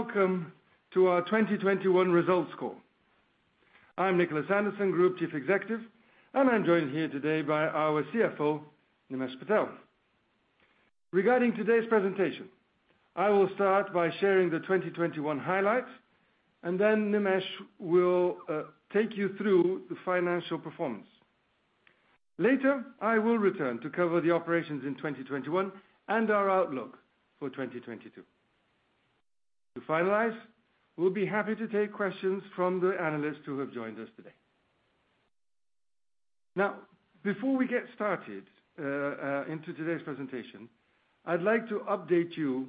Welcome to our 2021 results call. I'm Nicholas Anderson, Group Chief Executive, and I'm joined here today by our CFO, Nimesh Patel. Regarding today's presentation, I will start by sharing the 2021 highlights, and then Nimesh will take you through the financial performance. Later, I will return to cover the operations in 2021 and our outlook for 2022. To finalize, we'll be happy to take questions from the analysts who have joined us today. Now, before we get started into today's presentation, I'd like to update you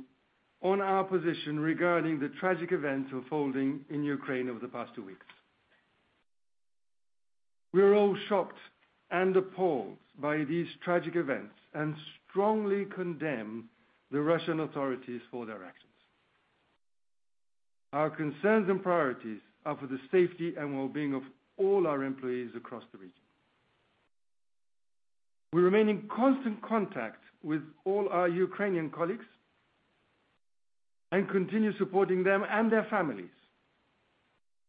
on our position regarding the tragic events unfolding in Ukraine over the past two weeks. We're all shocked and appalled by these tragic events and strongly condemn the Russian authorities for their actions. Our concerns and priorities are for the safety and wellbeing of all our employees across the region. We remain in constant contact with all our Ukrainian colleagues and continue supporting them and their families,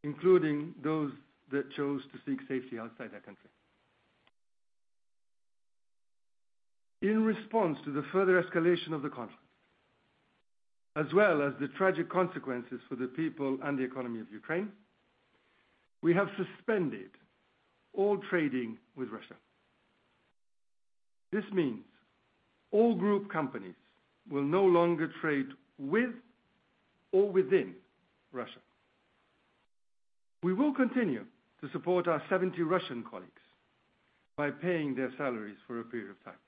including those that chose to seek safety outside their country. In response to the further escalation of the conflict, as well as the tragic consequences for the people and the economy of Ukraine, we have suspended all trading with Russia. This means all group companies will no longer trade with or within Russia. We will continue to support our 70 Russian colleagues by paying their salaries for a period of time.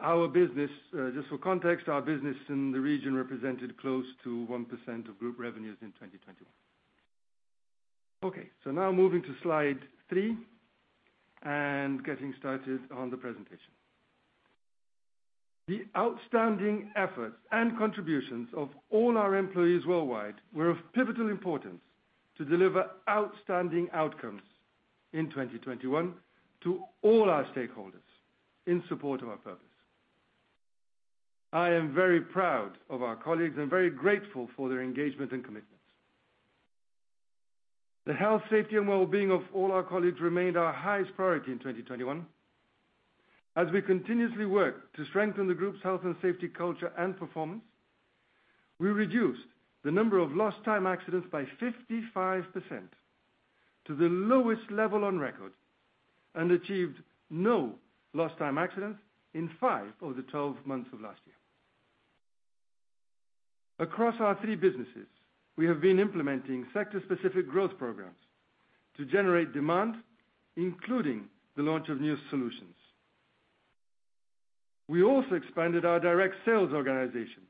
Our business, just for context, our business in the region represented close to 1% of group revenues in 2021. Okay, now moving to slide three and getting started on the presentation. The outstanding efforts and contributions of all our employees worldwide were of pivotal importance to deliver outstanding outcomes in 2021 to all our stakeholders in support of our purpose. I am very proud of our colleagues and very grateful for their engagement and commitment. The health, safety, and well-being of all our colleagues remained our highest priority in 2021. As we continuously work to strengthen the Group's health and safety culture and performance, we reduced the number of lost time accidents by 55% to the lowest level on record, and achieved no lost time accidents in 5 of the 12 months of last year. Across our three businesses, we have been implementing sector-specific growth programs to generate demand, including the launch of new solutions. We also expanded our direct sales organization,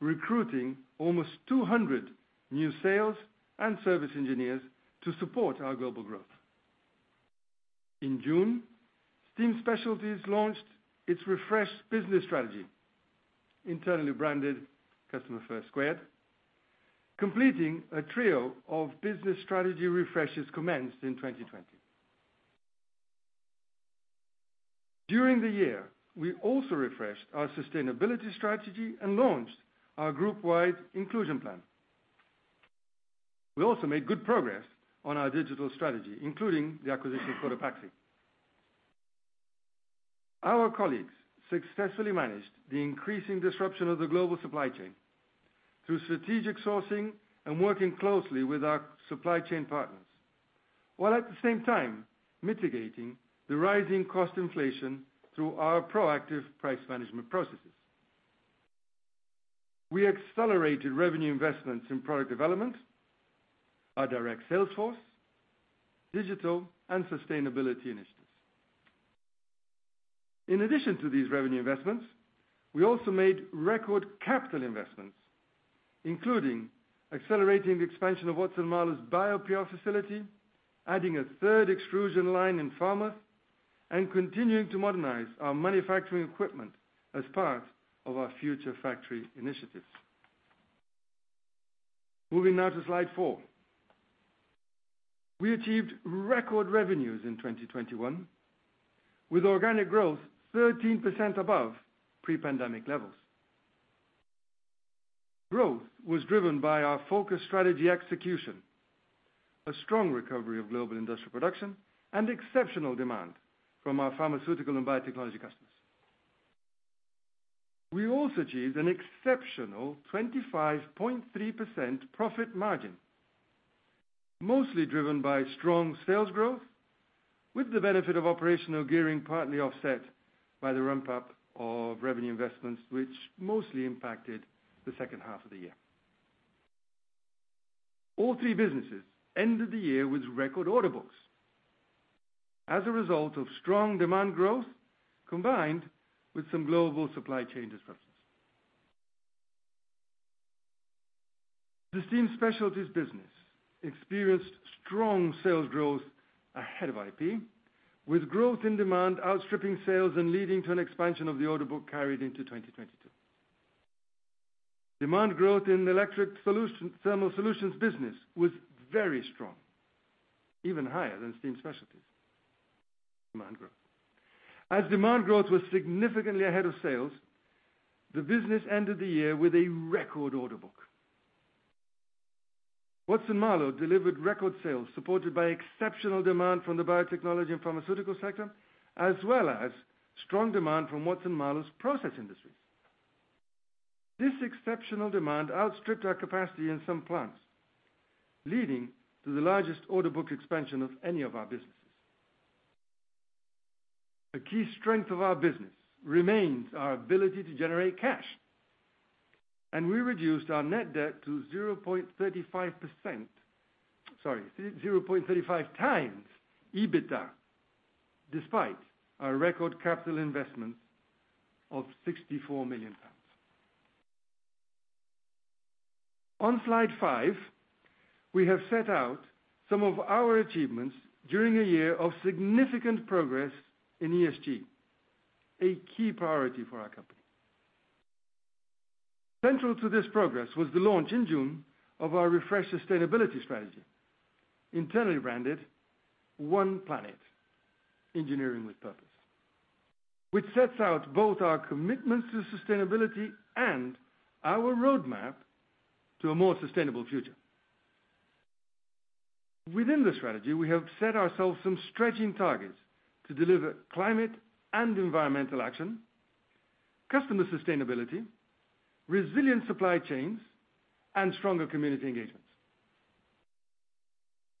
recruiting almost 200 new sales and service engineers to support our global growth. In June, Steam Specialties launched its refreshed business strategy, internally branded Customer First Squared, completing a trio of business strategy refreshes commenced in 2020. During the year, we also refreshed our sustainability strategy and launched our groupwide inclusion plan. We also made good progress on our digital strategy, including the acquisition of Cotopaxi. Our colleagues successfully managed the increasing disruption of the global supply chain through strategic sourcing and working closely with our supply chain partners, while at the same time mitigating the rising cost inflation through our proactive price management processes. We accelerated revenue investments in product development, our direct sales force, digital, and sustainability initiatives. In addition to these revenue investments, we also made record capital investments, including accelerating the expansion of Watson-Marlow's BioPure facility, adding a third extrusion line in pharma, and continuing to modernize our manufacturing equipment as part of our Future Factory initiatives. Moving now to slide four. We achieved record revenues in 2021 with organic growth 13% above pre-pandemic levels. Growth was driven by our focused strategy execution, a strong recovery of global industrial production, and exceptional demand from our pharmaceutical and biotechnology customers. We also achieved an exceptional 25.3% profit margin, mostly driven by strong sales growth, with the benefit of operational gearing partly offset by the ramp-up of revenue investments, which mostly impacted the second half of the year. All three businesses ended the year with record order books as a result of strong demand growth, combined with some global supply chain disruptions. The Steam Specialties business experienced strong sales growth ahead of IP, with growth in demand outstripping sales and leading to an expansion of the order book carried into 2022. Demand growth in Electric Thermal Solutions business was very strong, even higher than Steam Specialties. As demand growth was significantly ahead of sales, the business ended the year with a record order book. Watson-Marlow delivered record sales supported by exceptional demand from the biotechnology and pharmaceutical sector, as well as strong demand from Watson-Marlow's process industries. This exceptional demand outstripped our capacity in some plants, leading to the largest order book expansion of any of our businesses. A key strength of our business remains our ability to generate cash. We reduced our net debt to 0.35 times EBITDA, despite our record capital investment of GBP 64 million. On slide five, we have set out some of our achievements during a year of significant progress in ESG, a key priority for our company. Central to this progress was the launch in June of our refreshed sustainability strategy, internally branded One Planet: Engineering with Purpose, which sets out both our commitments to sustainability and our roadmap to a more sustainable future. Within the strategy, we have set ourselves some stretching targets to deliver climate and environmental action, customer sustainability, resilient supply chains, and stronger community engagements.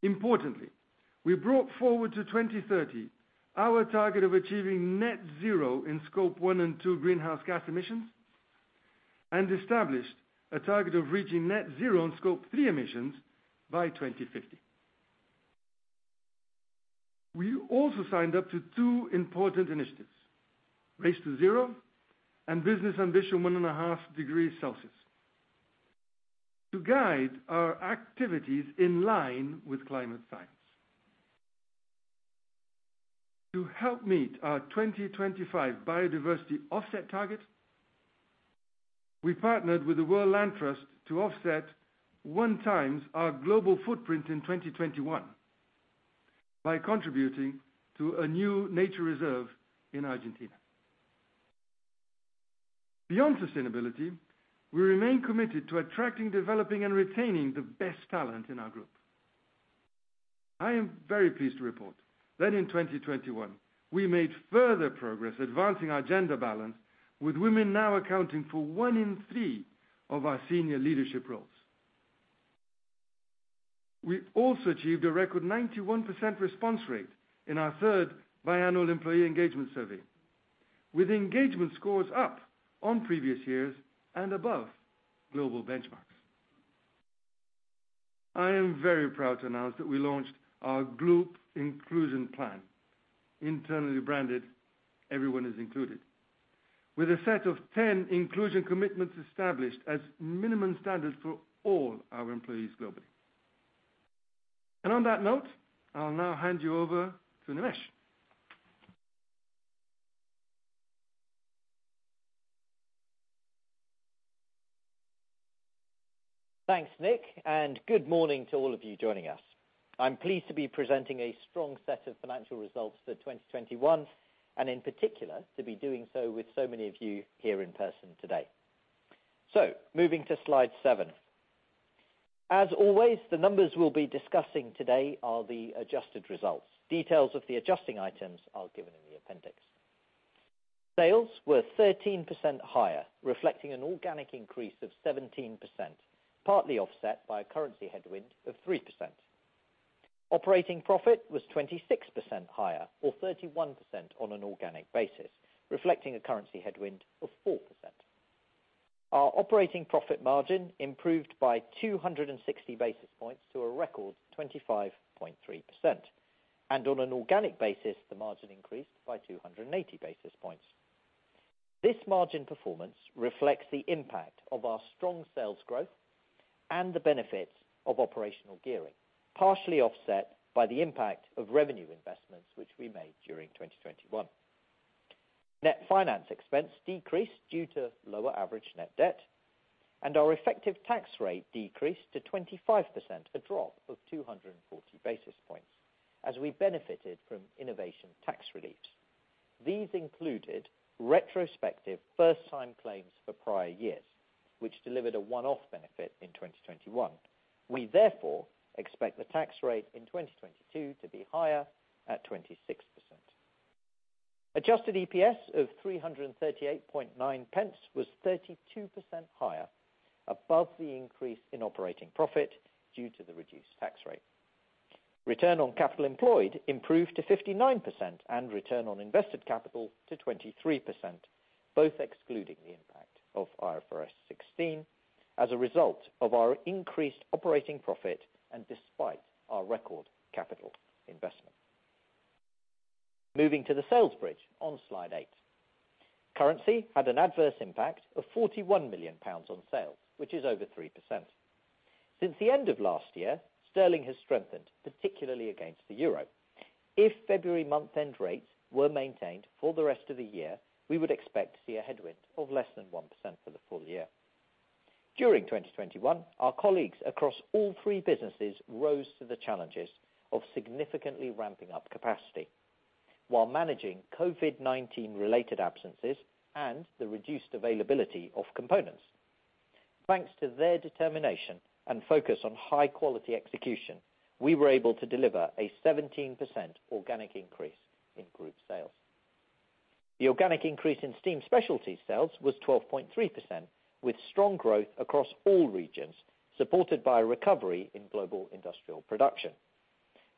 Importantly, we brought forward to 2030 our target of achieving net zero in Scope 1 and 2 greenhouse gas emissions, and established a target of reaching net zero in Scope 3 emissions by 2050. We also signed up to two important initiatives, Race to Zero and Business Ambition for 1.5°C, to guide our activities in line with climate science. To help meet our 2025 biodiversity offset target, we partnered with the World Land Trust to offset 1 times our global footprint in 2021 by contributing to a new nature reserve in Argentina. Beyond sustainability, we remain committed to attracting, developing, and retaining the best talent in our group. I am very pleased to report that in 2021, we made further progress advancing our gender balance, with women now accounting for 1 in 3 of our senior leadership roles. We also achieved a record 91% response rate in our third biannual employee engagement survey, with engagement scores up on previous years and above global benchmarks. I am very proud to announce that we launched our group inclusion plan, internally branded Everyone is Included, with a set of 10 inclusion commitments established as minimum standards for all our employees globally. On that note, I'll now hand you over to Nimesh. Thanks, Nick, and good morning to all of you joining us. I'm pleased to be presenting a strong set of financial results for 2021, and in particular, to be doing so with so many of you here in person today. Moving to slide seven. As always, the numbers we'll be discussing today are the adjusted results. Details of the adjusting items are given in the appendix. Sales were 13% higher, reflecting an organic increase of 17%, partly offset by a currency headwind of 3%. Operating profit was 26% higher or 31% on an organic basis, reflecting a currency headwind of 4%. Our operating profit margin improved by 260 basis points to a record 25.3%, and on an organic basis, the margin increased by 280 basis points. This margin performance reflects the impact of our strong sales growth and the benefits of operational gearing, partially offset by the impact of revenue investments which we made during 2021. Net finance expense decreased due to lower average net debt, and our effective tax rate decreased to 25%, a drop of 240 basis points, as we benefited from innovation tax reliefs. These included retrospective first-time claims for prior years, which delivered a one-off benefit in 2021. We therefore expect the tax rate in 2022 to be higher at 26%. Adjusted EPS of 338.9 pence was 32% higher above the increase in operating profit due to the reduced tax rate. Return on capital employed improved to 59% and return on invested capital to 23%, both excluding the impact of IFRS 16 as a result of our increased operating profit and despite our record capital investment. Moving to the sales bridge on slide eight. Currency had an adverse impact of 41 million pounds on sales, which is over 3%. Since the end of last year, sterling has strengthened, particularly against the euro. If February month-end rates were maintained for the rest of the year, we would expect to see a headwind of less than 1% for the full year. During 2021, our colleagues across all three businesses rose to the challenges of significantly ramping up capacity while managing COVID-19 related absences and the reduced availability of components. Thanks to their determination and focus on high quality execution, we were able to deliver a 17% organic increase in group sales. The organic increase in Steam Specialties sales was 12.3% with strong growth across all regions, supported by a recovery in global industrial production.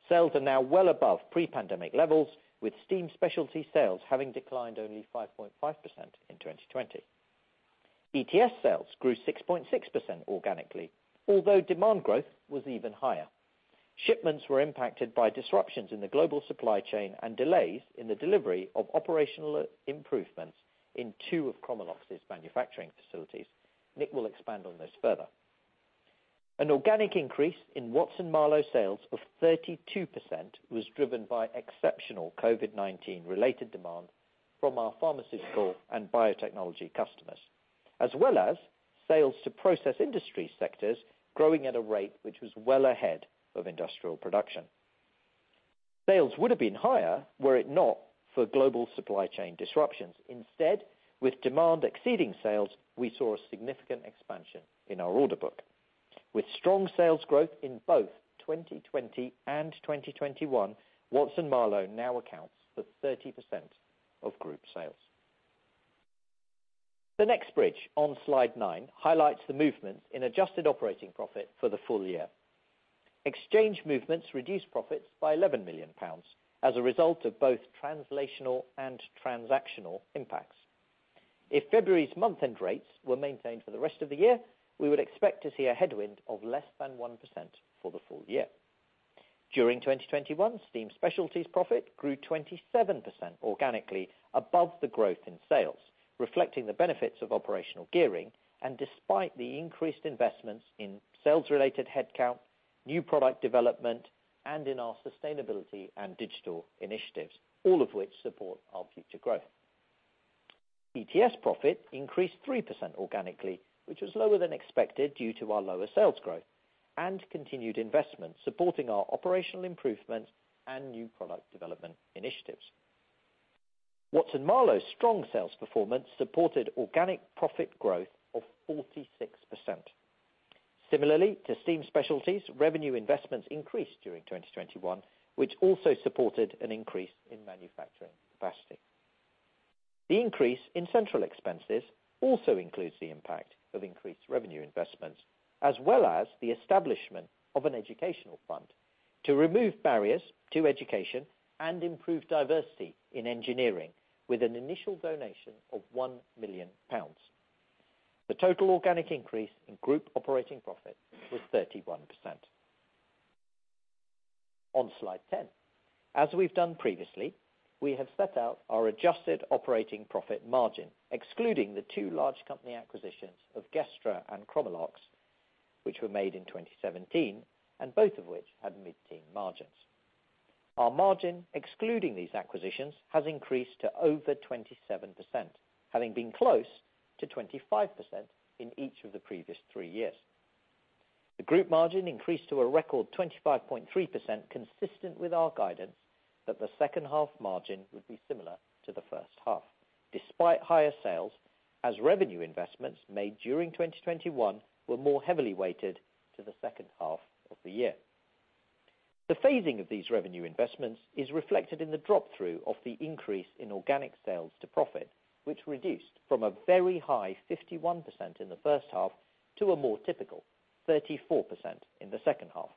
Sales are now well above pre-pandemic levels, with Steam Specialties sales having declined only 5.5% in 2020. ETS sales grew 6.6% organically, although demand growth was even higher. Shipments were impacted by disruptions in the global supply chain and delays in the delivery of operational improvements in two of Chromalox's manufacturing facilities. Nick will expand on this further. An organic increase in Watson-Marlow sales of 32% was driven by exceptional COVID-19 related demand from our pharmaceutical and biotechnology customers, as well as sales to process industry sectors growing at a rate which was well ahead of industrial production. Sales would have been higher were it not for global supply chain disruptions. Instead, with demand exceeding sales, we saw a significant expansion in our order book. With strong sales growth in both 2020 and 2021, Watson-Marlow now accounts for 30% of group sales. The next bridge on slide nine highlights the movement in adjusted operating profit for the full year. Exchange movements reduced profits by 11 million pounds as a result of both translational and transactional impacts. If February's month-end rates were maintained for the rest of the year, we would expect to see a headwind of less than 1% for the full year. During 2021, Steam Specialties profit grew 27% organically above the growth in sales, reflecting the benefits of operational gearing and despite the increased investments in sales-related headcount, new product development, and in our sustainability and digital initiatives, all of which support our future growth. ETS profit increased 3% organically, which was lower than expected due to our lower sales growth and continued investment supporting our operational improvements and new product development initiatives. Watson-Marlow's strong sales performance supported organic profit growth of 46%. Similarly to Steam Specialties, revenue investments increased during 2021, which also supported an increase in manufacturing capacity. The increase in central expenses also includes the impact of increased revenue investments, as well as the establishment of an educational fund to remove barriers to education and improve diversity in engineering with an initial donation of 1 million pounds. The total organic increase in group operating profit was 31%. On slide 10. As we've done previously, we have set out our adjusted operating profit margin, excluding the two large company acquisitions of Gestra and Chromalox, which were made in 2017, and both of which had mid-teen margins. Our margin, excluding these acquisitions, has increased to over 27%, having been close to 25% in each of the previous three years. The group margin increased to a record 25.3%, consistent with our guidance that the second half margin would be similar to the first half, despite higher sales as revenue investments made during 2021 were more heavily weighted to the second half of the year. The phasing of these revenue investments is reflected in the drop-through of the increase in organic sales to profit, which reduced from a very high 51% in the first half to a more typical 34% in the second half.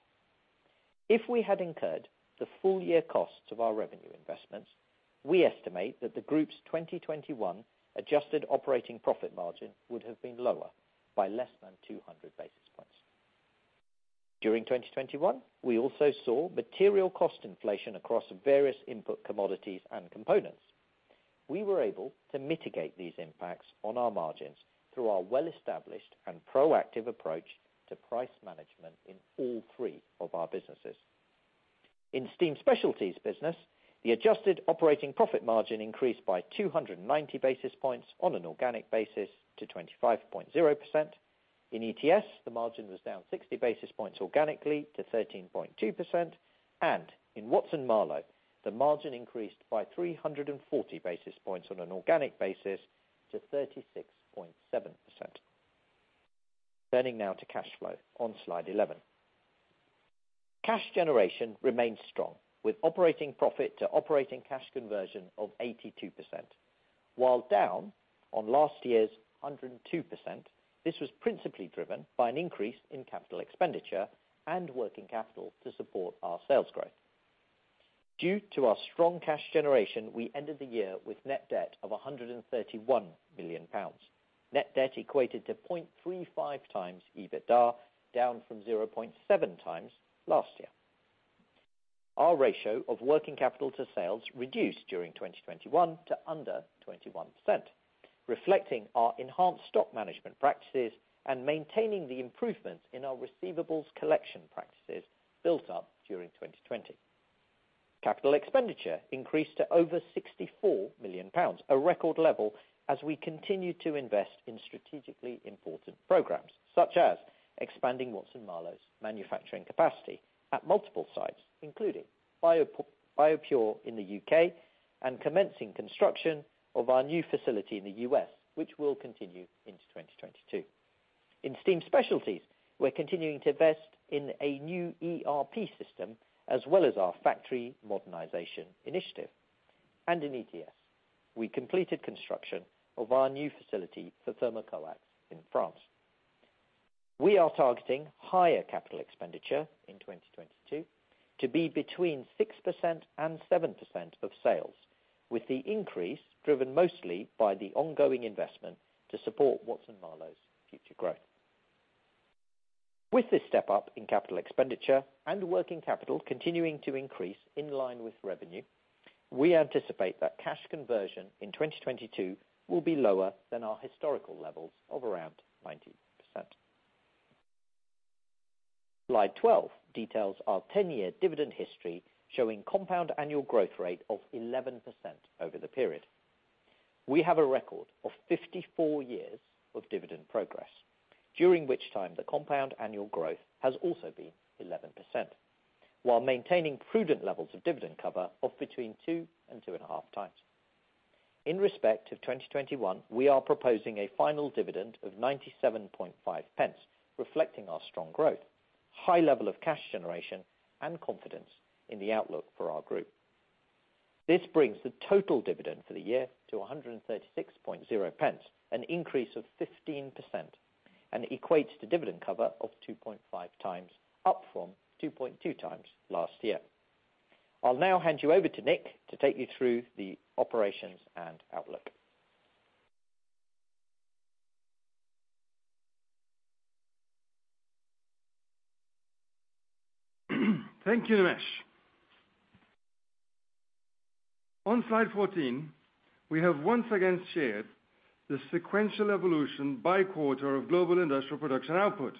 If we had incurred the full year costs of our revenue investments, we estimate that the group's 2021 adjusted operating profit margin would have been lower by less than 200 basis points. During 2021, we also saw material cost inflation across various input commodities and components. We were able to mitigate these impacts on our margins through our well-established and proactive approach to price management in all three of our businesses. In Steam Specialties business, the adjusted operating profit margin increased by 290 basis points on an organic basis to 25.0%. In ETS, the margin was down 60 basis points organically to 13.2%. In Watson-Marlow, the margin increased by 340 basis points on an organic basis to 36.7%. Turning now to cash flow on slide 11. Cash generation remained strong with operating profit to operating cash conversion of 82%. While down on last year's 102%, this was principally driven by an increase in capital expenditure and working capital to support our sales growth. Due to our strong cash generation, we ended the year with net debt of 131 million pounds. Net debt equated to 0.35x EBITDA, down from 0.7x last year. Our ratio of working capital to sales reduced during 2021 to under 21%, reflecting our enhanced stock management practices and maintaining the improvements in our receivables collection practices built up during 2020. Capital expenditure increased to over 64 million pounds, a record level as we continue to invest in strategically important programs, such as expanding Watson-Marlow's manufacturing capacity at multiple sites, including BioPure in the U.K. and commencing construction of our new facility in the U.S., which will continue into 2022. In Steam Specialties, we're continuing to invest in a new ERP system, as well as our factory modernization initiative. In ETS, we completed construction of our new facility for Thermocoax in France. We are targeting higher capital expenditure in 2022 to be between 6% and 7% of sales, with the increase driven mostly by the ongoing investment to support Watson-Marlow's future growth. With this step up in capital expenditure and working capital continuing to increase in line with revenue, we anticipate that cash conversion in 2022 will be lower than our historical levels of around 90%. Slide 12 details our 10-year dividend history, showing compound annual growth rate of 11% over the period. We have a record of 54 years of dividend progress, during which time the compound annual growth has also been 11%, while maintaining prudent levels of dividend cover of between 2 and 2.5 times. In respect to 2021, we are proposing a final dividend of 0.975, reflecting our strong growth, high level of cash generation, and confidence in the outlook for our group. This brings the total dividend for the year to 1.36, an increase of 15%, and equates to dividend cover of 2.5 times, up from 2.2 times last year. I'll now hand you over to Nick to take you through the operations and outlook. Thank you, Nimesh. On slide 14, we have once again shared the sequential evolution by quarter of global industrial production output,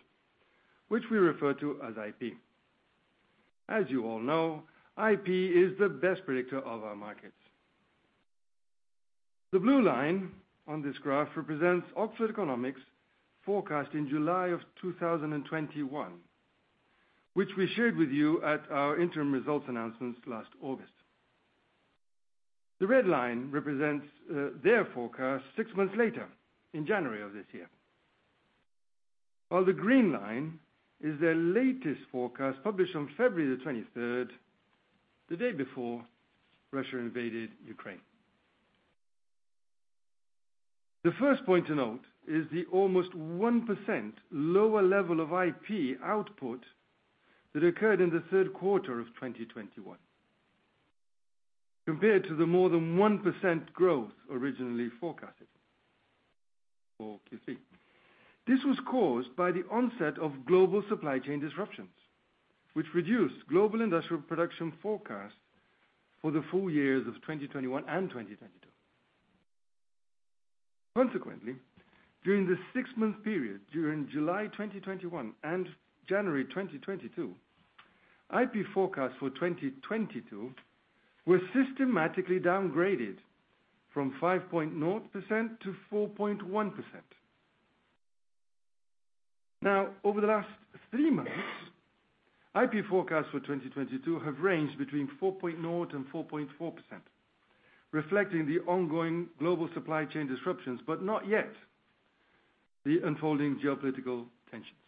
which we refer to as IP. As you all know, IP is the best predictor of our markets. The blue line on this graph represents Oxford Economics forecast in July 2021, which we shared with you at our interim results announcements last August. The red line represents their forecast six months later in January of this year. The green line is their latest forecast published on February 23, the day before Russia invaded Ukraine. The first point to note is the almost 1% lower level of IP output that occurred in the third quarter of 2021 compared to the more than 1% growth originally forecasted for Q3. This was caused by the onset of global supply chain disruptions, which reduced global industrial production forecast for the full years of 2021 and 2022. Consequently, during the six-month period during July 2021 and January 2022, IP forecasts for 2022 were systematically downgraded from 5.0%-4.1%. Now, over the last three months, IP forecasts for 2022 have ranged between 4.0% and 4.4%, reflecting the ongoing global supply chain disruptions, but not yet the unfolding geopolitical tensions.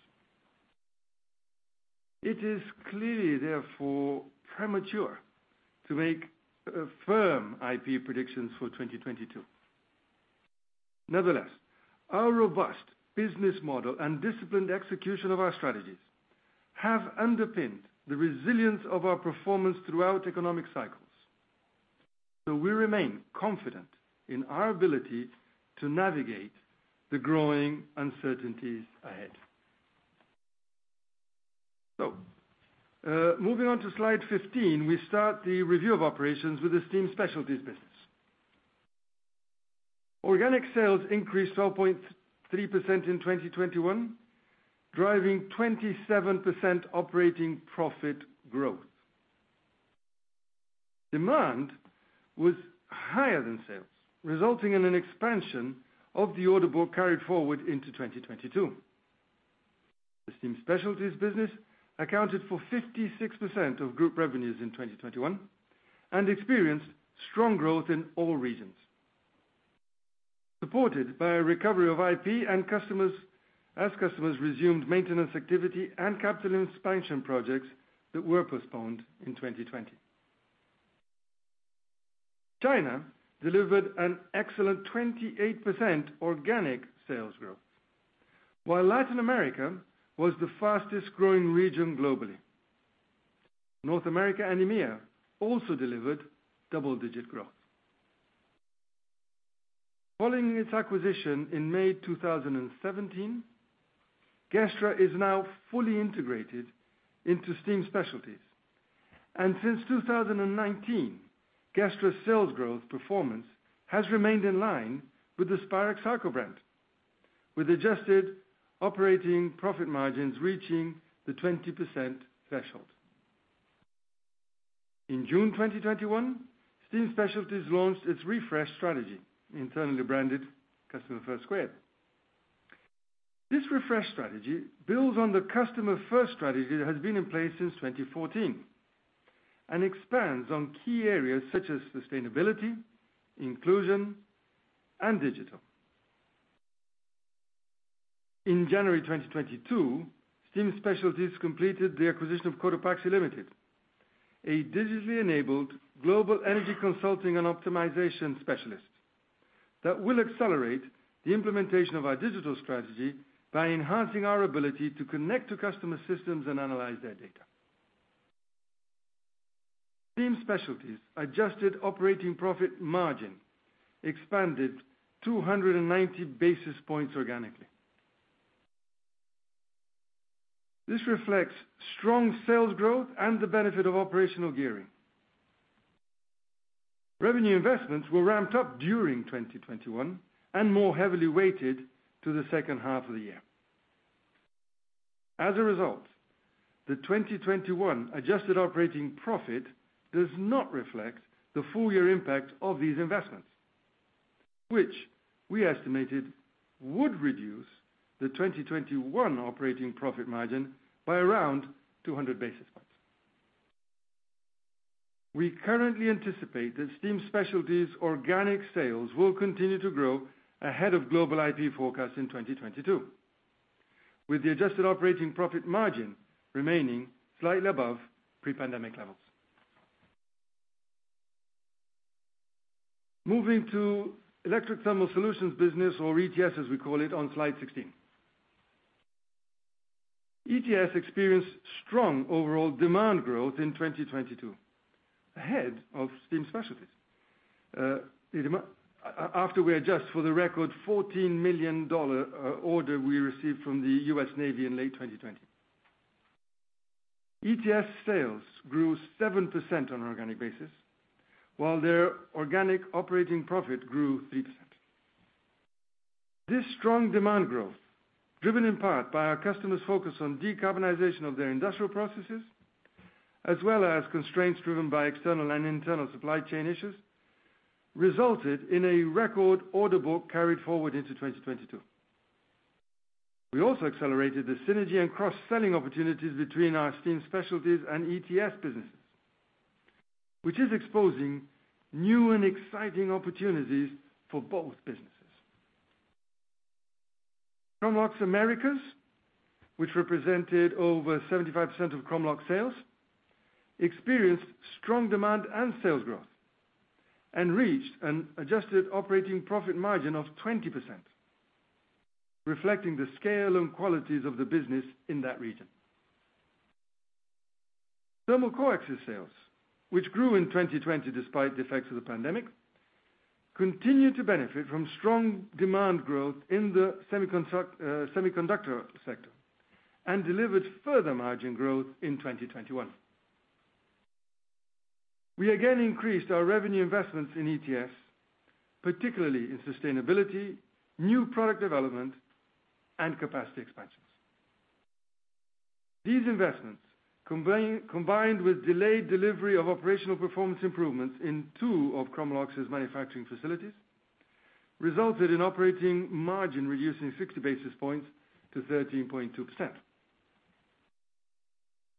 It is clearly therefore premature to make a firm IP predictions for 2022. Nevertheless, our robust business model and disciplined execution of our strategies have underpinned the resilience of our performance throughout economic cycles. We remain confident in our ability to navigate the growing uncertainties ahead. Moving on to slide 15, we start the review of operations with the Steam Specialties business. Organic sales increased 12.3% in 2021, driving 27% operating profit growth. Demand was higher than sales, resulting in an expansion of the order book carried forward into 2022. The Steam Specialties business accounted for 56% of group revenues in 2021 and experienced strong growth in all regions. Supported by a recovery of IP and customers as customers resumed maintenance activity and capital expansion projects that were postponed in 2020. China delivered an excellent 28% organic sales growth, while Latin America was the fastest growing region globally. North America and EMEA also delivered double-digit growth. Following its acquisition in May 2017, Gestra is now fully integrated into Steam Specialties. Since 2019, Gestra's sales growth performance has remained in line with the Spirax Sarco brand. With adjusted operating profit margins reaching the 20% threshold. In June 2021, Steam Specialties launched its refresh strategy, internally branded Customer First Squared. This refresh strategy builds on the Customer First strategy that has been in place since 2014 and expands on key areas such as sustainability, inclusion, and digital. In January 2022, Steam Specialties completed the acquisition of Cotopaxi Limited, a digitally enabled global energy consulting and optimization specialist that will accelerate the implementation of our digital strategy by enhancing our ability to connect to customer systems and analyze their data. Steam Specialties adjusted operating profit margin expanded 290 basis points organically. This reflects strong sales growth and the benefit of operational gearing. Revenue investments were ramped up during 2021 and more heavily weighted to the second half of the year. As a result, the 2021 adjusted operating profit does not reflect the full year impact of these investments, which we estimated would reduce the 2021 operating profit margin by around 200 basis points. We currently anticipate that Steam Specialties organic sales will continue to grow ahead of global IP forecasts in 2022, with the adjusted operating profit margin remaining slightly above pre-pandemic levels. Moving to Electric Thermal Solutions business or ETS as we call it on slide 16. ETS experienced strong overall demand growth in 2022, ahead of Steam Specialties. After we adjust for the record $14 million order we received from the US Navy in late 2020. ETS sales grew 7% on an organic basis, while their organic operating profit grew 3%. This strong demand growth, driven in part by our customers' focus on decarbonization of their industrial processes, as well as constraints driven by external and internal supply chain issues, resulted in a record order book carried forward into 2022. We also accelerated the synergy and cross-selling opportunities between our Steam Specialties and ETS businesses, which is exposing new and exciting opportunities for both businesses. Chromalox Americas, which represented over 75% of Chromalox sales, experienced strong demand and sales growth and reached an adjusted operating profit margin of 20%, reflecting the scale and qualities of the business in that region. Thermocoax sales, which grew in 2020 despite the effects of the pandemic, continued to benefit from strong demand growth in the semiconductor sector and delivered further margin growth in 2021. We again increased our revenue investments in ETS, particularly in sustainability, new product development and capacity expansions. These investments combined with delayed delivery of operational performance improvements in two of Chromalox's manufacturing facilities, resulted in operating margin reducing 60 basis points to 13.2%.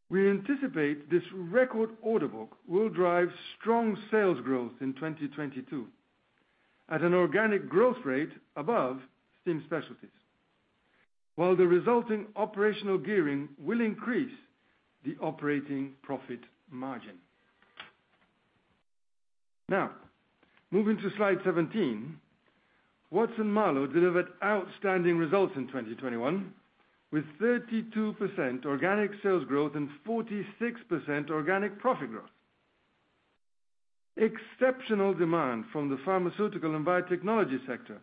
We anticipate this record order book will drive strong sales growth in 2022 at an organic growth rate above Steam Specialties, while the resulting operational gearing will increase the operating profit margin. Now, moving to slide 17. Watson-Marlow delivered outstanding results in 2021, with 32% organic sales growth and 46% organic profit growth. Exceptional demand from the pharmaceutical and biotechnology sector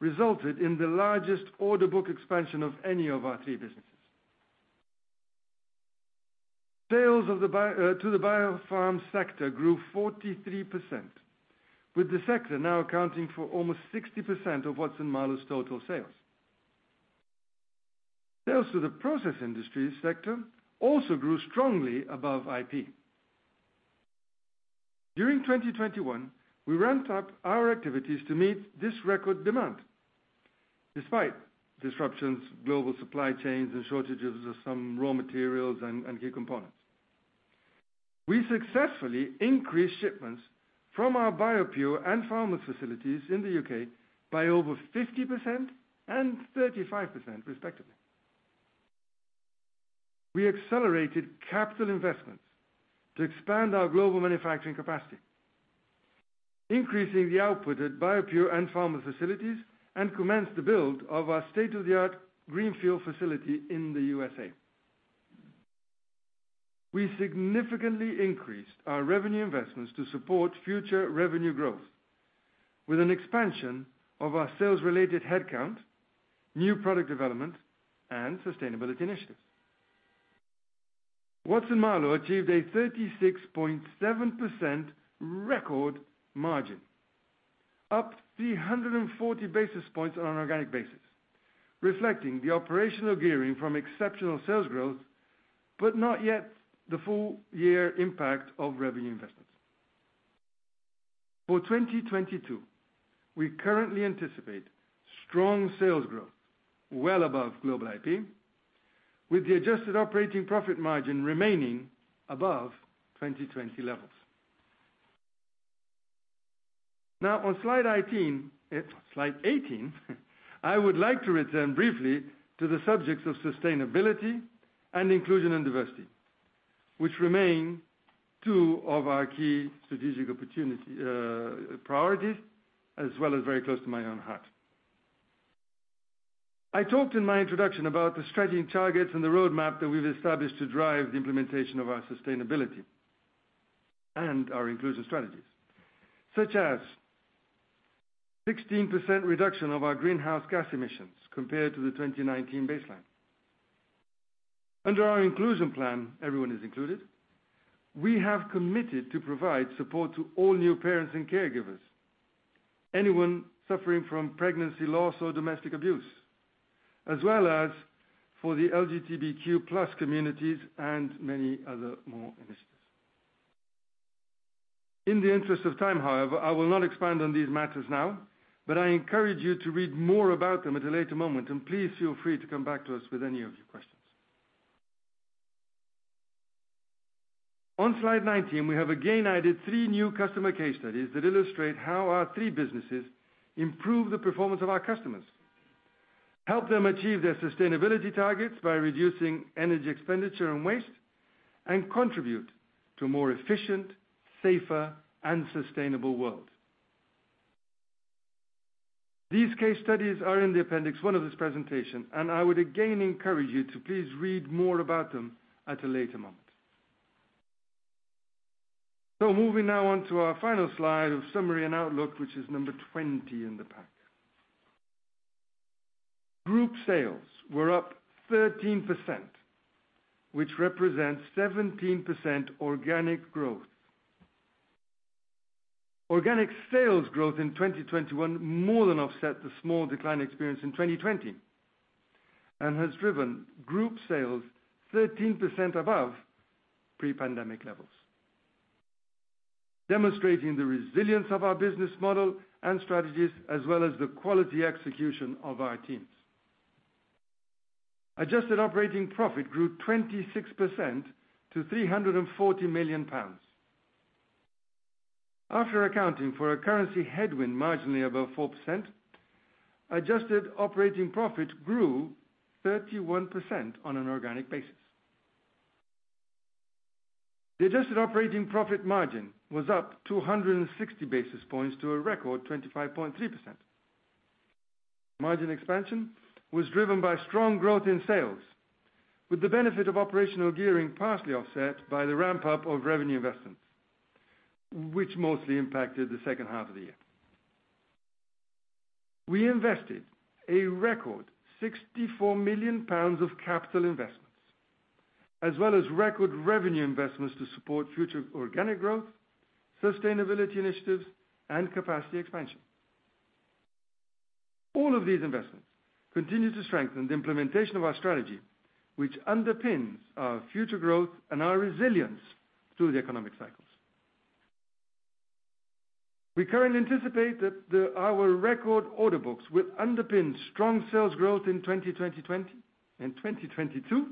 resulted in the largest order book expansion of any of our three businesses. Sales to the biopharm sector grew 43%, with the sector now accounting for almost 60% of Watson-Marlow's total sales. Sales to the process industry sector also grew strongly above IP. During 2021, we ramped up our activities to meet this record demand, despite disruptions, global supply chains and shortages of some raw materials and key components. We successfully increased shipments from our BioPure and pharma facilities in the U.K. by over 50% and 35% respectively. We accelerated capital investments to expand our global manufacturing capacity, increasing the output at BioPure and pharma facilities, and commenced the build of our state-of-the-art greenfield facility in the U.S.A. We significantly increased our revenue investments to support future revenue growth with an expansion of our sales-related headcount, new product development and sustainability initiatives. Watson-Marlow achieved a 36.7% record margin, up 340 basis points on an organic basis, reflecting the operational gearing from exceptional sales growth, but not yet the full year impact of revenue investments. For 2022, we currently anticipate strong sales growth well above global IP, with the adjusted operating profit margin remaining above 2020 levels. Now on slide 18, I would like to return briefly to the subjects of sustainability and inclusion and diversity, which remain two of our key strategic opportunity priorities, as well as very close to my own heart. I talked in my introduction about the strategic targets and the roadmap that we've established to drive the implementation of our sustainability and our inclusion strategies, such as 16% reduction of our greenhouse gas emissions compared to the 2019 baseline. Under our inclusion plan, Everyone is Included. We have committed to provide support to all new parents and caregivers, anyone suffering from pregnancy loss or domestic abuse, as well as for the LGBTQ+ communities and many other more initiatives. In the interest of time, however, I will not expand on these matters now, but I encourage you to read more about them at a later moment, and please feel free to come back to us with any of your questions. On slide 19, we have again added three new customer case studies that illustrate how our three businesses improve the performance of our customers, help them achieve their sustainability targets by reducing energy expenditure and waste, and contribute to more efficient, safer, and sustainable world. These case studies are in the appendix 1 of this presentation, and I would again encourage you to please read more about them at a later moment. Moving now on to our final slide of summary and outlook, which is number 20 in the pack. Group sales were up 13%, which represents 17% organic growth. Organic sales growth in 2021 more than offset the small decline experienced in 2020, and has driven group sales 13% above pre-pandemic levels, demonstrating the resilience of our business model and strategies, as well as the quality execution of our teams. Adjusted operating profit grew 26% to 340 million pounds. After accounting for a currency headwind marginally above 4%, adjusted operating profit grew 31% on an organic basis. The adjusted operating profit margin was up 260 basis points to a record 25.3%. Margin expansion was driven by strong growth in sales, with the benefit of operational gearing partially offset by the ramp-up of revenue investments, which mostly impacted the second half of the year. We invested a record 64 million pounds of capital investments, as well as record revenue investments to support future organic growth, sustainability initiatives, and capacity expansion. All of these investments continue to strengthen the implementation of our strategy, which underpins our future growth and our resilience through the economic cycles. We currently anticipate that our record order books will underpin strong sales growth in 2022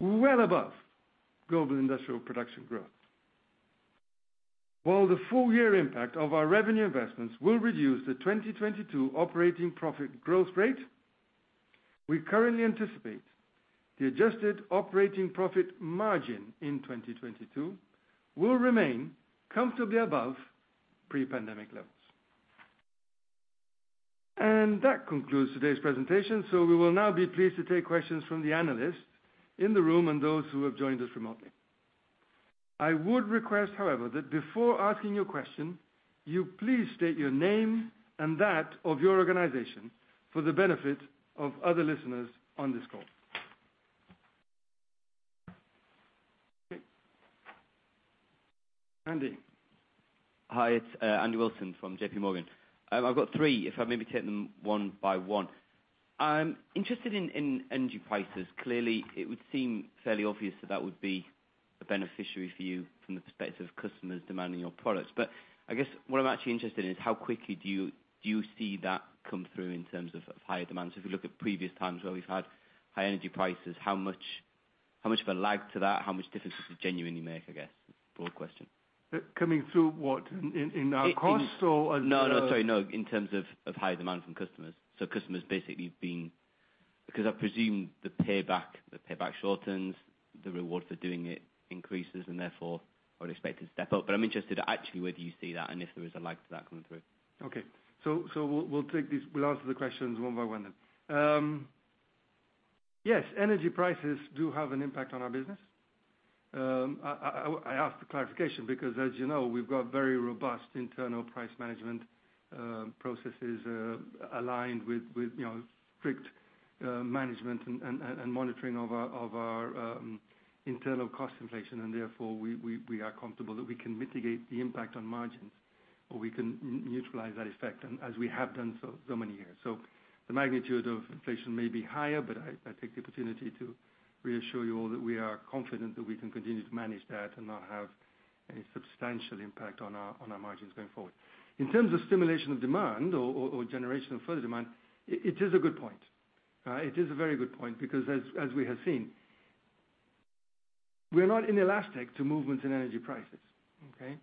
well above global industrial production growth. While the full year impact of our revenue investments will reduce the 2022 operating profit growth rate, we currently anticipate the adjusted operating profit margin in 2022 will remain comfortably above pre-pandemic levels. That concludes today's presentation. We will now be pleased to take questions from the analysts in the room and those who have joined us remotely. I would request, however, that before asking your question, you please state your name and that of your organization for the benefit of other listeners on this call. Andy. Hi, it's Andy Wilson from JPMorgan. I've got three, if I maybe take them one by one. I'm interested in energy prices. Clearly, it would seem fairly obvious that that would be a beneficiary for you from the perspective of customers demanding your products. I guess what I'm actually interested in is how quickly do you see that come through in terms of higher demand. If you look at previous times where we've had high energy prices, how much of a lag to that. How much difference does it genuinely make, I guess. Broad question. Coming through what? In our costs or Sorry, no, in terms of high demand from customers because I presume the payback shortens, the reward for doing it increases, and therefore are expected to step up. I'm interested actually whether you see that and if there is a lag to that coming through. We'll take these. We'll answer the questions one by one then. Yes, energy prices do have an impact on our business. I asked for clarification because as you know, we've got very robust internal price management processes, aligned with you know, strict management and monitoring of our internal cost inflation. Therefore, we are comfortable that we can mitigate the impact on margins or we can neutralize that effect and as we have done so for so many years. The magnitude of inflation may be higher, but I take the opportunity to reassure you all that we are confident that we can continue to manage that and not have any substantial impact on our margins going forward. In terms of stimulation of demand or generation of further demand, it is a good point. It is a very good point because as we have seen, we're not inelastic to movements in energy prices, okay?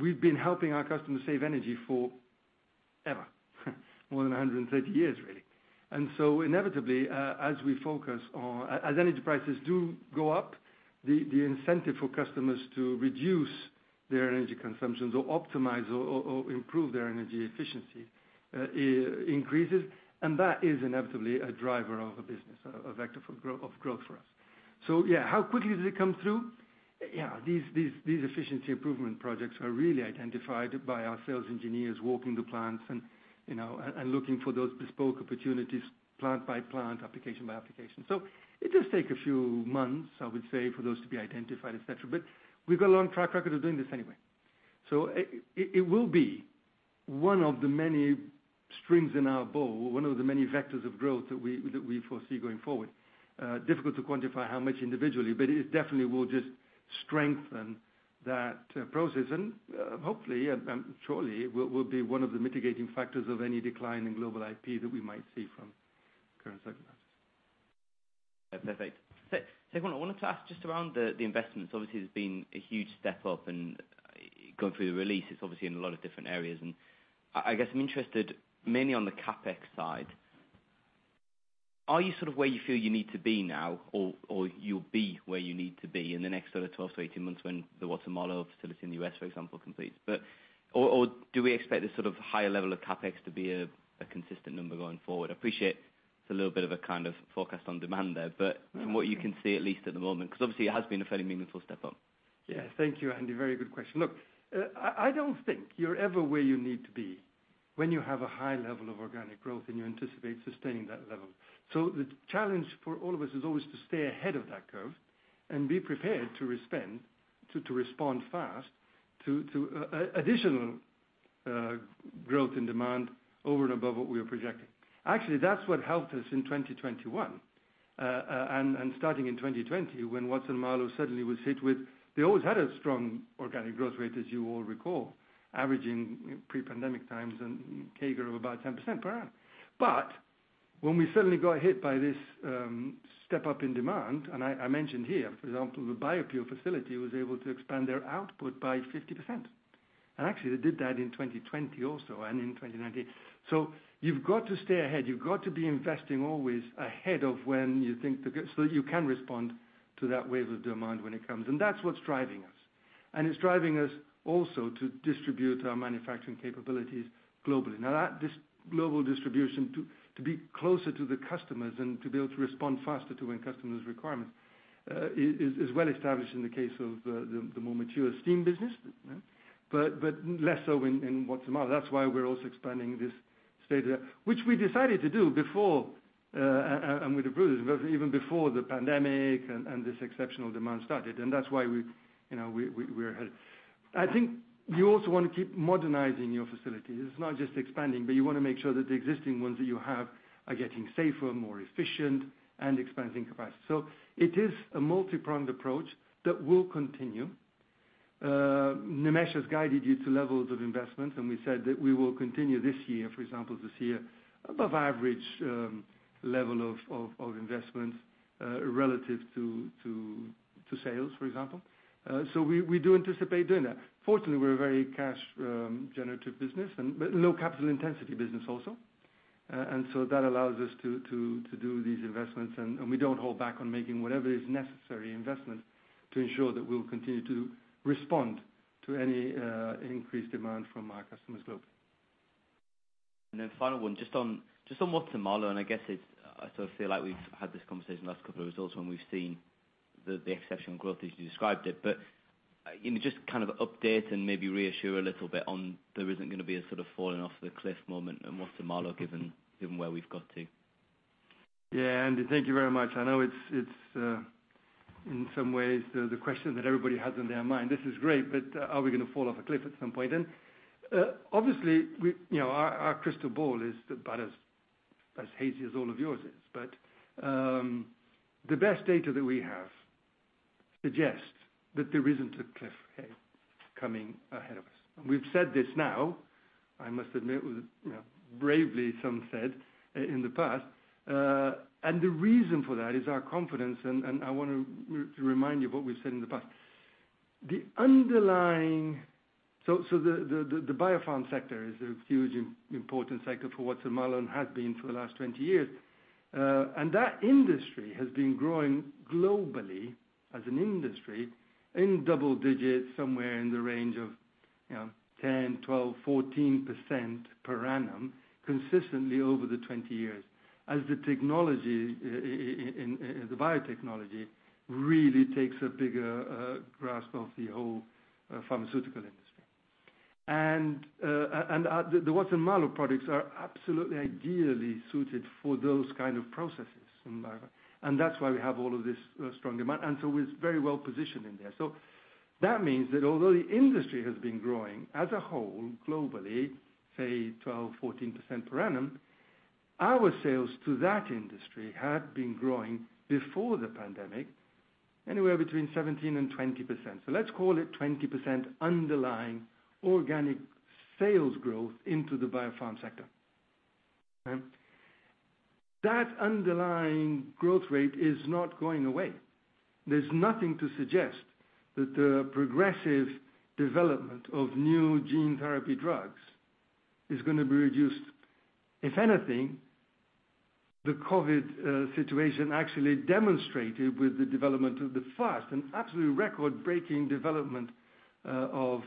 We've been helping our customers save energy forever, more than 130 years, really. Inevitably, as energy prices do go up, the incentive for customers to reduce their energy consumption to optimize or improve their energy efficiency increases. That is inevitably a driver of the business, a vector for growth for us. Yeah, how quickly does it come through? Yeah, these efficiency improvement projects are really identified by our sales engineers walking the plants and, you know, looking for those bespoke opportunities plant by plant, application by application. It does take a few months, I would say, for those to be identified, et cetera. We've got a long track record of doing this anyway. It will be one of the many strings in our bow, one of the many vectors of growth that we foresee going forward. Difficult to quantify how much individually, but it definitely will just strengthen that process and hopefully and surely will be one of the mitigating factors of any decline in global IP that we might see from current circumstances. Perfect. Second one, I wanted to ask just around the investments. Obviously, there's been a huge step up and going through the release, it's obviously in a lot of different areas. I guess I'm interested mainly on the CapEx side. Are you sort of where you feel you need to be now, or you'll be where you need to be in the next sort of 12-18 months when the Watson-Marlow facility in the U.S., for example, completes? Or do we expect this sort of higher level of CapEx to be a consistent number going forward? I appreciate it's a little bit of a kind of forecast on demand there, but from what you can see, at least at the moment, because obviously it has been a fairly meaningful step up. Yeah. Thank you, Andy. Very good question. Look, I don't think you're ever where you need to be when you have a high level of organic growth and you anticipate sustaining that level. The challenge for all of us is always to stay ahead of that curve and be prepared to respond fast to additional growth in demand over and above what we are projecting. Actually, that's what helped us in 2021 and starting in 2020 when Watson-Marlow suddenly was hit with. They always had a strong organic growth rate, as you all recall, averaging pre-pandemic a CAGR of about 10% per annum. When we suddenly got hit by this step up in demand, I mentioned here, for example, the BioPure facility was able to expand their output by 50%. Actually, they did that in 2020 also and in 2019. You've got to stay ahead. You've got to be investing always ahead of when you think so that you can respond to that wave of demand when it comes. That's what's driving us. It's driving us also to distribute our manufacturing capabilities globally. Now that this global distribution to be closer to the customers and to be able to respond faster to win customers' requirements is well established in the case of the more mature steam business, but less so in Watson-Marlow. That's why we're also expanding this site, which we decided to do before, and with approval, even before the pandemic and this exceptional demand started. That's why we, you know, we're ahead. I think you also want to keep modernizing your facilities. It's not just expanding, but you wanna make sure that the existing ones that you have are getting safer, more efficient and expanding capacity. It is a multi-pronged approach that will continue. Nimesh has guided you to levels of investment, and we said that we will continue this year, for example, to see above average level of investment relative to sales, for example. We do anticipate doing that. Fortunately, we're a very cash generative business and low capital intensity business also. That allows us to do these investments. We don't hold back on making whatever is necessary investment to ensure that we'll continue to respond to any increased demand from our customers globally. Final one, just on Watson-Marlow, and I guess it's, I sort of feel like we've had this conversation the last couple of results when we've seen the exceptional growth as you described it. You know, just kind of update and maybe reassure a little bit on there isn't gonna be a sort of falling off the cliff moment in Watson-Marlow given where we've got to. Yeah, Andy, thank you very much. I know it's in some ways the question that everybody has on their mind, "This is great, but are we gonna fall off a cliff at some point?" Obviously, we, you know, our crystal ball is about as hazy as all of yours is. The best data that we have suggests that there isn't a cliff edge coming ahead of us. We've said this now, I must admit, it was, you know, bravely some said in the past. The reason for that is our confidence, and I want to remind you of what we said in the past. The biopharm sector is a huge important sector for Watson-Marlow and has been for the last 20 years. That industry has been growing globally as an industry in double digits, somewhere in the range of, you know, 10, 12, 14% per annum consistently over the 20 years as the technology in the biotechnology really takes a bigger grasp of the whole pharmaceutical industry. The Watson-Marlow products are absolutely ideally suited for those kind of processes. That's why we have all of this strong demand, and so we're very well positioned in there. That means that although the industry has been growing as a whole globally, say 12, 14% per annum, our sales to that industry had been growing before the pandemic anywhere between 17%-20%. Let's call it 20% underlying organic sales growth into the biopharm sector. That underlying growth rate is not going away. There's nothing to suggest that the progressive development of new gene therapy drugs is gonna be reduced. If anything, the COVID situation actually demonstrated with the development of the fast and absolute record-breaking development of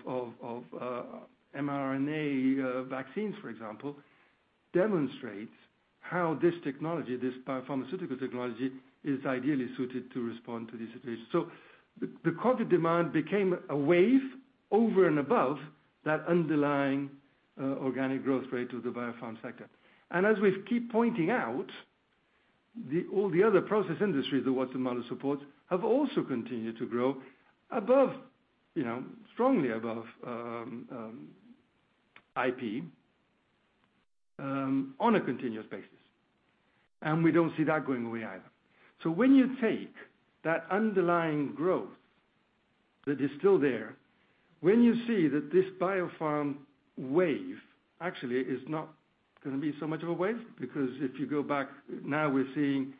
mRNA vaccines, for example, demonstrates how this technology, this biopharmaceutical technology, is ideally suited to respond to this situation. The COVID demand became a wave over and above that underlying organic growth rate to the biopharm sector. As we keep pointing out, all the other process industries that Watson-Marlow supports have also continued to grow above, you know, strongly above inflation on a continuous basis. We don't see that going away either. When you take that underlying growth that is still there, when you see that this biopharm wave actually is not gonna be so much of a wave, because if you go back now we're seeing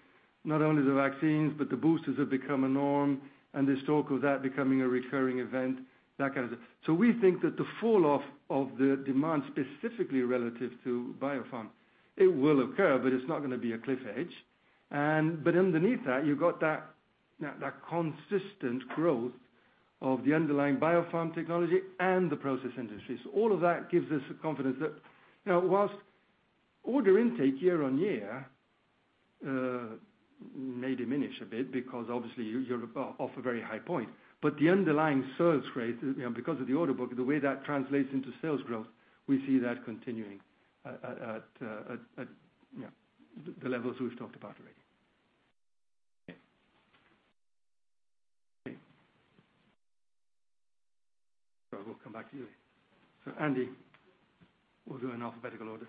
not only the vaccines, but the boosters have become a norm and there's talk of that becoming a recurring event, that kind of thing. We think that the fall off of the demand, specifically relative to biopharm, it will occur, but it's not gonna be a cliff edge. Underneath that, you've got that consistent growth of the underlying biopharm technology and the process industries. All of that gives us the confidence that, you know, while order intake year-over-year may diminish a bit because obviously you're off a very high point. The underlying sales rate, you know, because of the order book, the way that translates into sales growth, we see that continuing at, you know, the levels we've talked about already. Okay. We'll come back to you. Andy, we'll do an alphabetical order.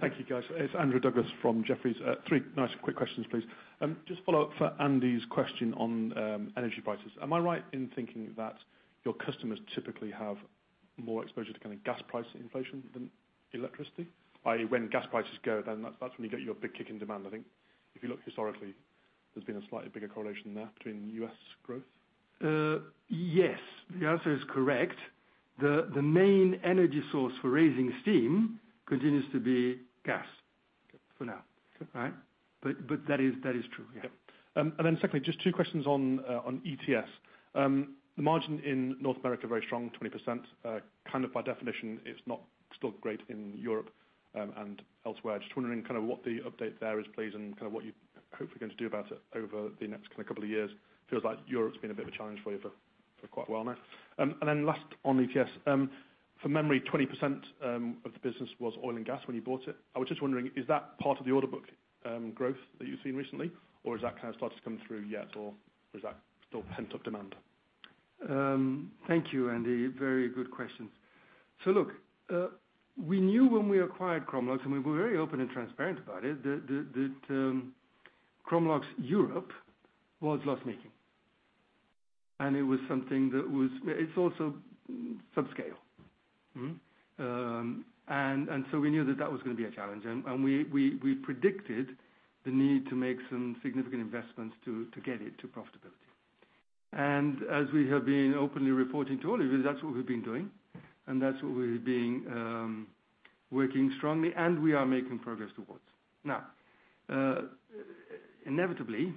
Thank you, guys. It's Andrew Douglas from Jefferies. Three nice quick questions, please. Just follow up for Andy's question on energy prices. Am I right in thinking that your customers typically have more exposure to kind of gas price inflation than electricity? I.e., when gas prices go, then that's when you get your big kick in demand, I think. If you look historically, there's been a slightly bigger correlation there between U.S. growth. Yes, the answer is correct. The main energy source for raising steam continues to be gas for now. Okay. Right? That is true. Yeah. Secondly, just two questions on ETS. The margin in North America, very strong, 20%. Kind of by definition, it's not still great in Europe and elsewhere. Just wondering kind of what the update there is, please, and kind of what you're hopefully going to do about it over the next kind of couple of years. Feels like Europe's been a bit of a challenge for you for quite a while now. Then last on ETS, from memory, 20% of the business was oil and gas when you bought it. I was just wondering, is that part of the order book growth that you've seen recently? Or has that kind of started to come through yet? Or is that still pent-up demand? Thank you, Andy. Very good questions. Look, we knew when we acquired Chromalox, and we were very open and transparent about it, that Chromalox Europe was loss-making. It was something that was also subscale. We knew that was gonna be a challenge. We predicted the need to make some significant investments to get it to profitability. As we have been openly reporting to all of you, that's what we've been doing, and that's what we've been working strongly and we are making progress towards. Now, inevitably,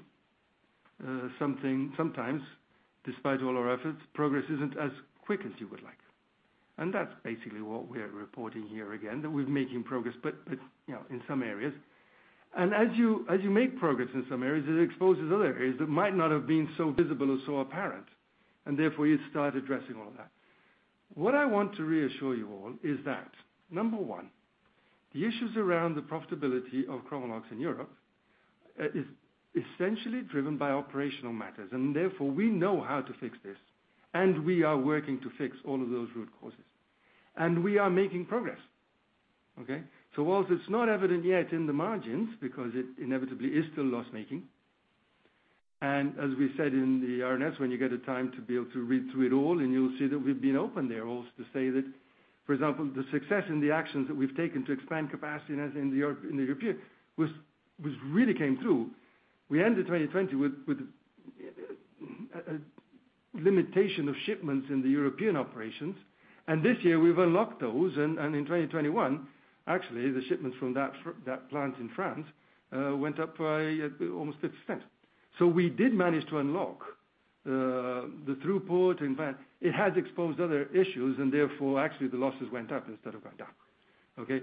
sometimes, despite all our efforts, progress isn't as quick as you would like. That's basically what we're reporting here again, that we're making progress. You know, in some areas. As you make progress in some areas, it exposes other areas that might not have been so visible or so apparent, and therefore you start addressing all of that. What I want to reassure you all is that, number one, the issues around the profitability of Chromalox in Europe is essentially driven by operational matters. Therefore we know how to fix this, and we are working to fix all of those root causes. We are making progress. Okay? While it's not evident yet in the margins, because it inevitably is still loss-making, and as we said in the RNS, when you get a time to be able to read through it all, and you'll see that we've been open there also to say that, for example, the success and the actions that we've taken to expand capacity in the Europe, in the European really came through. We ended 2020 with a limitation of shipments in the European operations. This year, we've unlocked those, and in 2021, actually, the shipments from that plant in France went up by almost 50%. We did manage to unlock the throughput. In fact, it has exposed other issues and therefore, actually the losses went up instead of going down. Okay,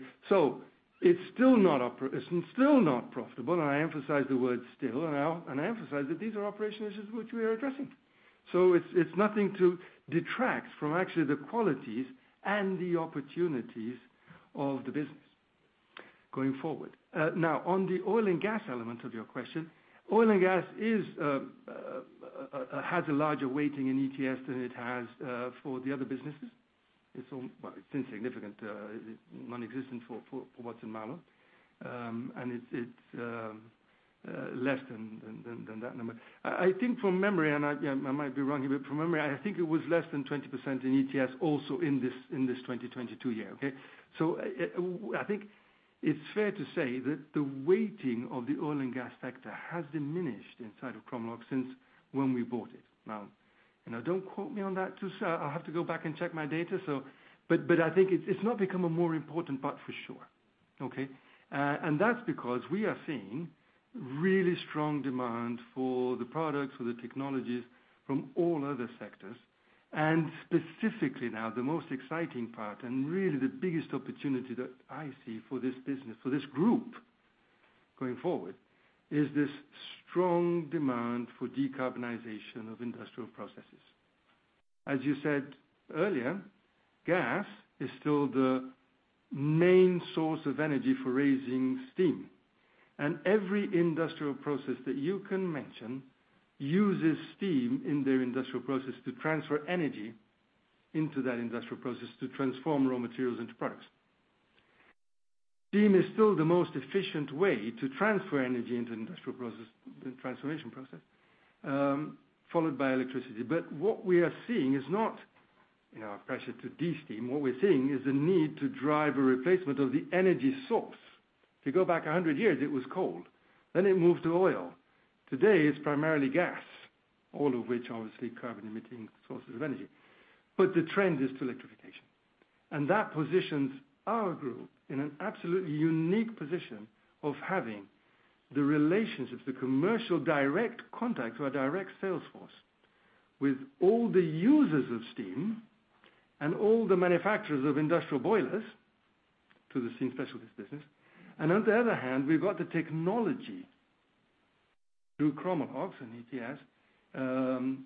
it's still not profitable, and I emphasize the word still, and I emphasize that these are operational issues which we are addressing. It's nothing to detract from actually the qualities and the opportunities of the business going forward. Now, on the oil and gas element of your question, oil and gas has a larger weighting in ETS than it has for the other businesses. It's well, it's insignificant, nonexistent for Watson-Marlow, and it's less than that number. I think from memory, you know, I might be wrong here, but from memory, I think it was less than 20% in ETS also in this 2022 year, okay. I think it's fair to say that the weighting of the oil and gas sector has diminished inside of Chromalox since when we bought it. Now don't quote me on that too soon. I'll have to go back and check my data. But I think it's not become a more important part for sure, okay? That's because we are seeing really strong demand for the products, for the technologies from all other sectors. Specifically now, the most exciting part and really the biggest opportunity that I see for this business, for this group going forward is this strong demand for decarbonization of industrial processes. As you said earlier, gas is still the main source of energy for raising steam, and every industrial process that you can mention uses steam in their industrial process to transfer energy into that industrial process to transform raw materials into products. Steam is still the most efficient way to transfer energy into an industrial process, transformation process, followed by electricity. What we are seeing is not, you know, a pressure to de-steam. What we're seeing is the need to drive a replacement of the energy source. To go back a hundred years, it was coal, then it moved to oil. Today, it's primarily gas, all of which are obviously carbon-emitting sources of energy. The trend is to electrification. That positions our group in an absolutely unique position of having the relationships, the commercial direct contact to a direct sales force with all the users of steam and all the manufacturers of industrial boilers to the steam specialist business. On the other hand, we've got the technology through Chromalox and ETS,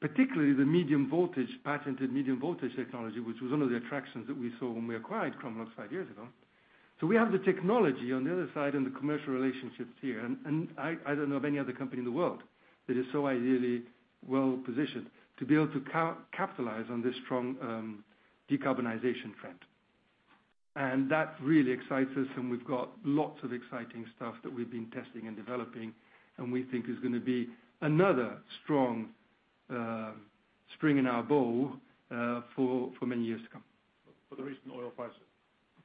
particularly the Medium Voltage, patented Medium Voltage technology, which was one of the attractions that we saw when we acquired Chromalox five years ago. We have the technology on the other side and the commercial relationships here, and I don't know of any other company in the world that is so ideally well-positioned to be able to capitalize on this strong, decarbonization trend. That really excites us, and we've got lots of exciting stuff that we've been testing and developing, and we think is gonna be another strong spring in our bow, for many years to come. The recent oil price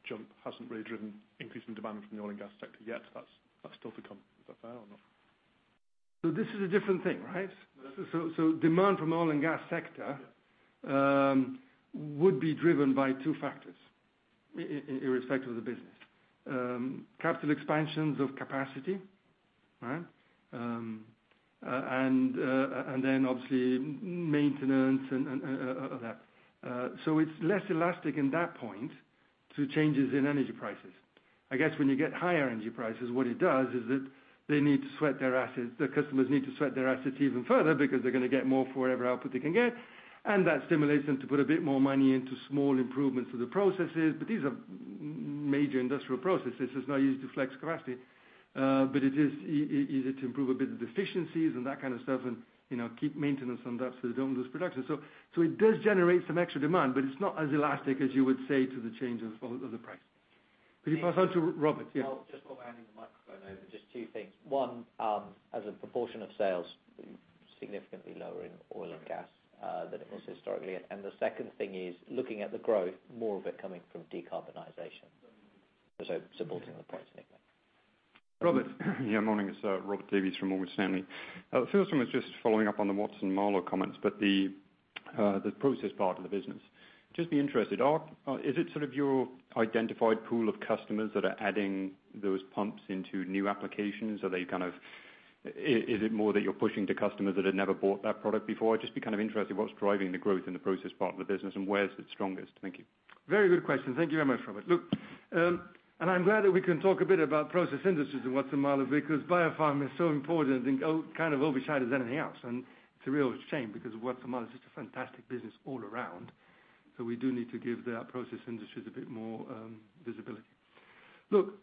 jump hasn't really driven increase in demand from the oil and gas sector yet. That's still to come. Is that fair or not? This is a different thing, right? Demand from oil and gas sector would be driven by two factors irrespective of the business. Capital expansions of capacity, right? Obviously maintenance and that. It's less elastic at that point to changes in energy prices. I guess when you get higher energy prices, what it does is that they need to sweat their assets. The customers need to sweat their assets even further because they're gonna get more for whatever output they can get, and that stimulates them to put a bit more money into small improvements to the processes. These are major industrial processes. It's not used to flex capacity, but it is easy to improve a bit of efficiencies and that kind of stuff and, you know, keep maintenance on that so they don't lose production. It does generate some extra demand, but it's not as elastic as you would say to the change of the price. Could you pass on to Robert? Yeah. Well, just while we're handing the microphone over, just two things. One, as a proportion of sales, significantly lower in oil and gas, than it was historically. The second thing is looking at the growth, more of it coming from decarbonization. Supporting the point. Robert. Yeah, morning. It's Robert Davies from Morgan Stanley. The first one was just following up on the Watson-Marlow comments, but the process part of the business. Just be interested, is it sort of your identified pool of customers that are adding those pumps into new applications? Are they kind of is it more that you're pushing to customers that had never bought that product before? I'd just be kind of interested what's driving the growth in the process part of the business and where is it strongest? Thank you. Very good question. Thank you very much, Robert. Look, and I'm glad that we can talk a bit about process industries in Watson-Marlow because biopharm is so important and kind of overshadowed anything else. It's a real shame because Watson-Marlow is just a fantastic business all around. We do need to give their process industries a bit more visibility. Look,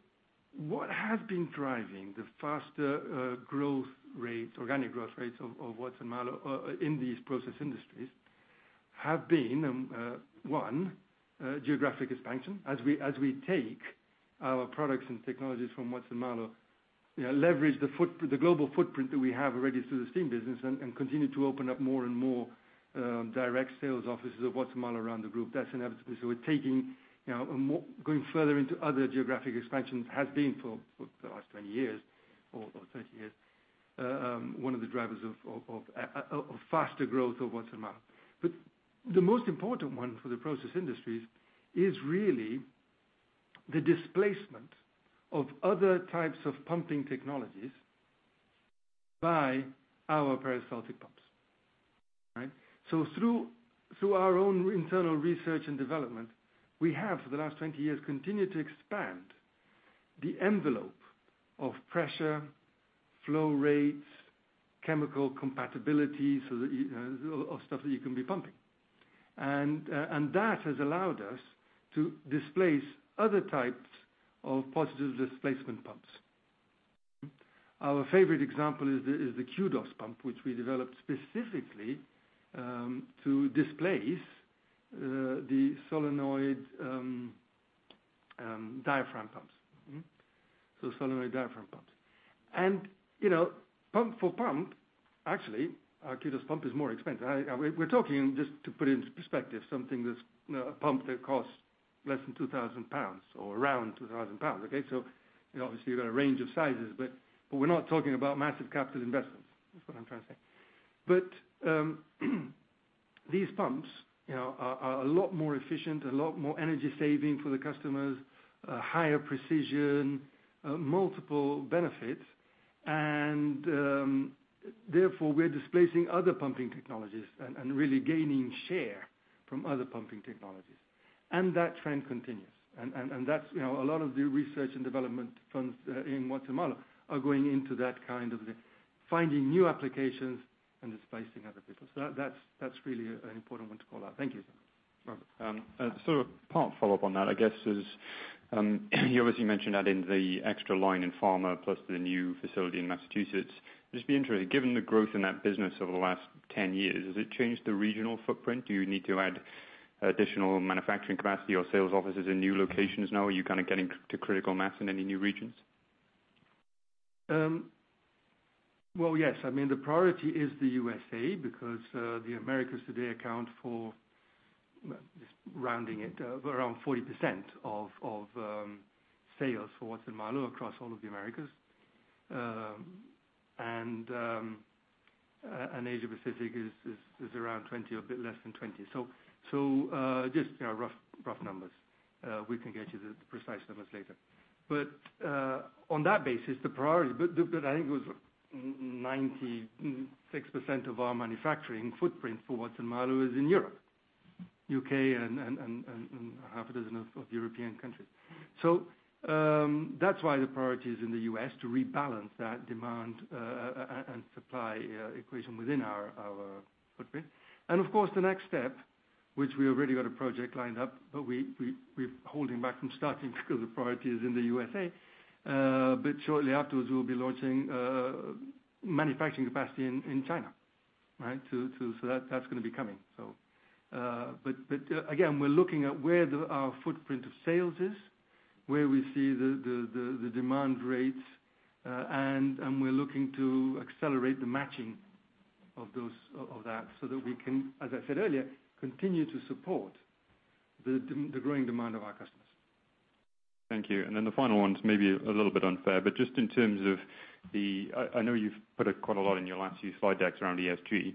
what has been driving the faster growth rates, organic growth rates of Watson-Marlow in these process industries have been one, geographic expansion. As we take our products and technologies from Watson-Marlow, you know, leverage the global footprint that we have already through the steam business and continue to open up more and more direct sales offices of Watson-Marlow around the group. That's inevitably. Going further into other geographic expansions has been for the last 20 years or 30 years one of the drivers of faster growth of Watson-Marlow. The most important one for the process industries is really the displacement of other types of pumping technologies by our peristaltic pumps, right? Through our own internal research and development, we have for the last 20 years continued to expand the envelope of pressure, flow rates, chemical compatibility so that you or stuff that you can be pumping. That has allowed us to displace other types of positive displacement pumps. Our favorite example is the Qdos pump, which we developed specifically to displace the solenoid diaphragm pumps. Solenoid diaphragm pumps. You know, pump for pump, actually, our Qdos pump is more expensive. I... We're talking, just to put it into perspective, something that's, you know, a pump that costs less than 2,000 pounds or around 2,000 pounds, okay? Obviously you've got a range of sizes, but we're not talking about massive capital investments. That's what I'm trying to say. These pumps, you know, are a lot more efficient, a lot more energy-saving for the customers, higher precision, multiple benefits, and therefore, we're displacing other pumping technologies and really gaining share from other pumping technologies. That trend continues. That's, you know, a lot of the research and development funds in Watson-Marlow are going into that kind of the finding new applications and displacing other people. That's really an important one to call out. Thank you. A partial follow-up on that, I guess, you obviously mentioned adding the extra line in pharma plus the new facility in Massachusetts. I'd just be interested, given the growth in that business over the last 10 years, has it changed the regional footprint? Do you need to add additional manufacturing capacity or sales offices in new locations now? Are you kind of getting to critical mass in any new regions? Well, yes. I mean, the priority is the U.S. because the Americas today account for, just rounding it, around 40% of sales for Watson-Marlow across all of the Americas. Asia Pacific is around 20 or a bit less than 20. Just, you know, rough numbers. We can get you the precise numbers later. On that basis, the priority, I think it was 96% of our manufacturing footprint for Watson-Marlow is in Europe, U.K. and half a dozen European countries. That's why the priority is in the U.S. to rebalance that demand and supply equation within our footprint. Of course, the next step, which we already got a project lined up, but we're holding back from starting because the priority is in the USA. Shortly afterwards, we'll be launching manufacturing capacity in China, right? That's gonna be coming. Again, we're looking at where our footprint of sales is, where we see the demand rates, and we're looking to accelerate the matching of those, of that, so that we can, as I said earlier, continue to support the growing demand of our customers. Thank you. The final one's maybe a little bit unfair, but just in terms of the, I know you've put quite a lot in your last few slide decks around ESG.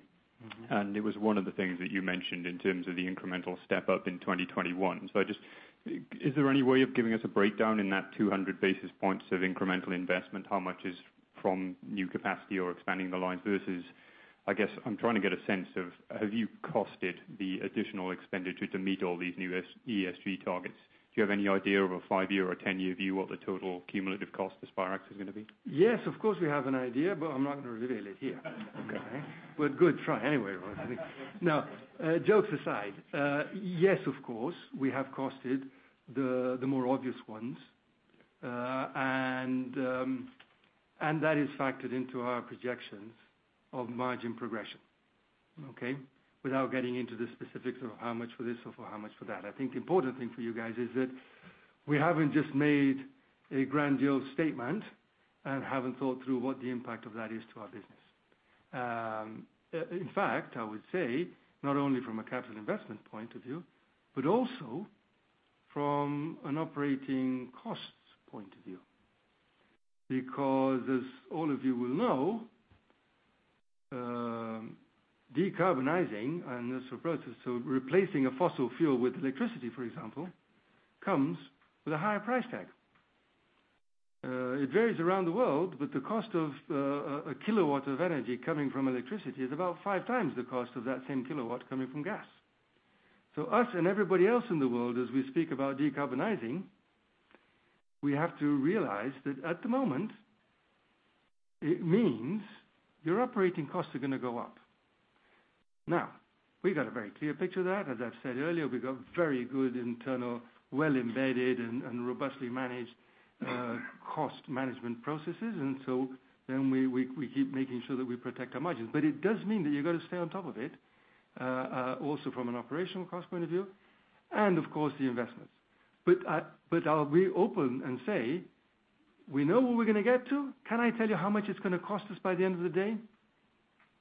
It was one of the things that you mentioned in terms of the incremental step up in 2021. Is there any way of giving us a breakdown in that 200 basis points of incremental investment? How much is from new capacity or expanding the lines versus, I guess I'm trying to get a sense of have you costed the additional expenditure to meet all these new ESG targets? Do you have any idea of a five-year or a ten-year view of what the total cumulative cost to Spirax is gonna be? Yes, of course, we have an idea, but I'm not gonna reveal it here. Okay? Good try anyway, right? Now, jokes aside, yes, of course, we have costed the more obvious ones. That is factored into our projections of margin progression, okay? Without getting into the specifics of how much for this or for how much for that. I think the important thing for you guys is that we haven't just made a grandiose statement and haven't thought through what the impact of that is to our business. In fact, I would say not only from a capital investment point of view, but also from an operating cost point of view. Because as all of you will know, decarbonizing and this approach, so replacing a fossil fuel with electricity, for example, comes with a higher price tag. It varies around the world, but the cost of a kilowatt of energy coming from electricity is about five times the cost of that same kilowatt coming from gas. Us and everybody else in the world, as we speak about decarbonizing, we have to realize that at the moment, it means your operating costs are gonna go up. Now, we've got a very clear picture of that. As I've said earlier, we've got very good internal, well-embedded and robustly managed cost management processes. We keep making sure that we protect our margins. But I'll be open and say, we know where we're gonna get to. Can I tell you how much it's gonna cost us by the end of the day?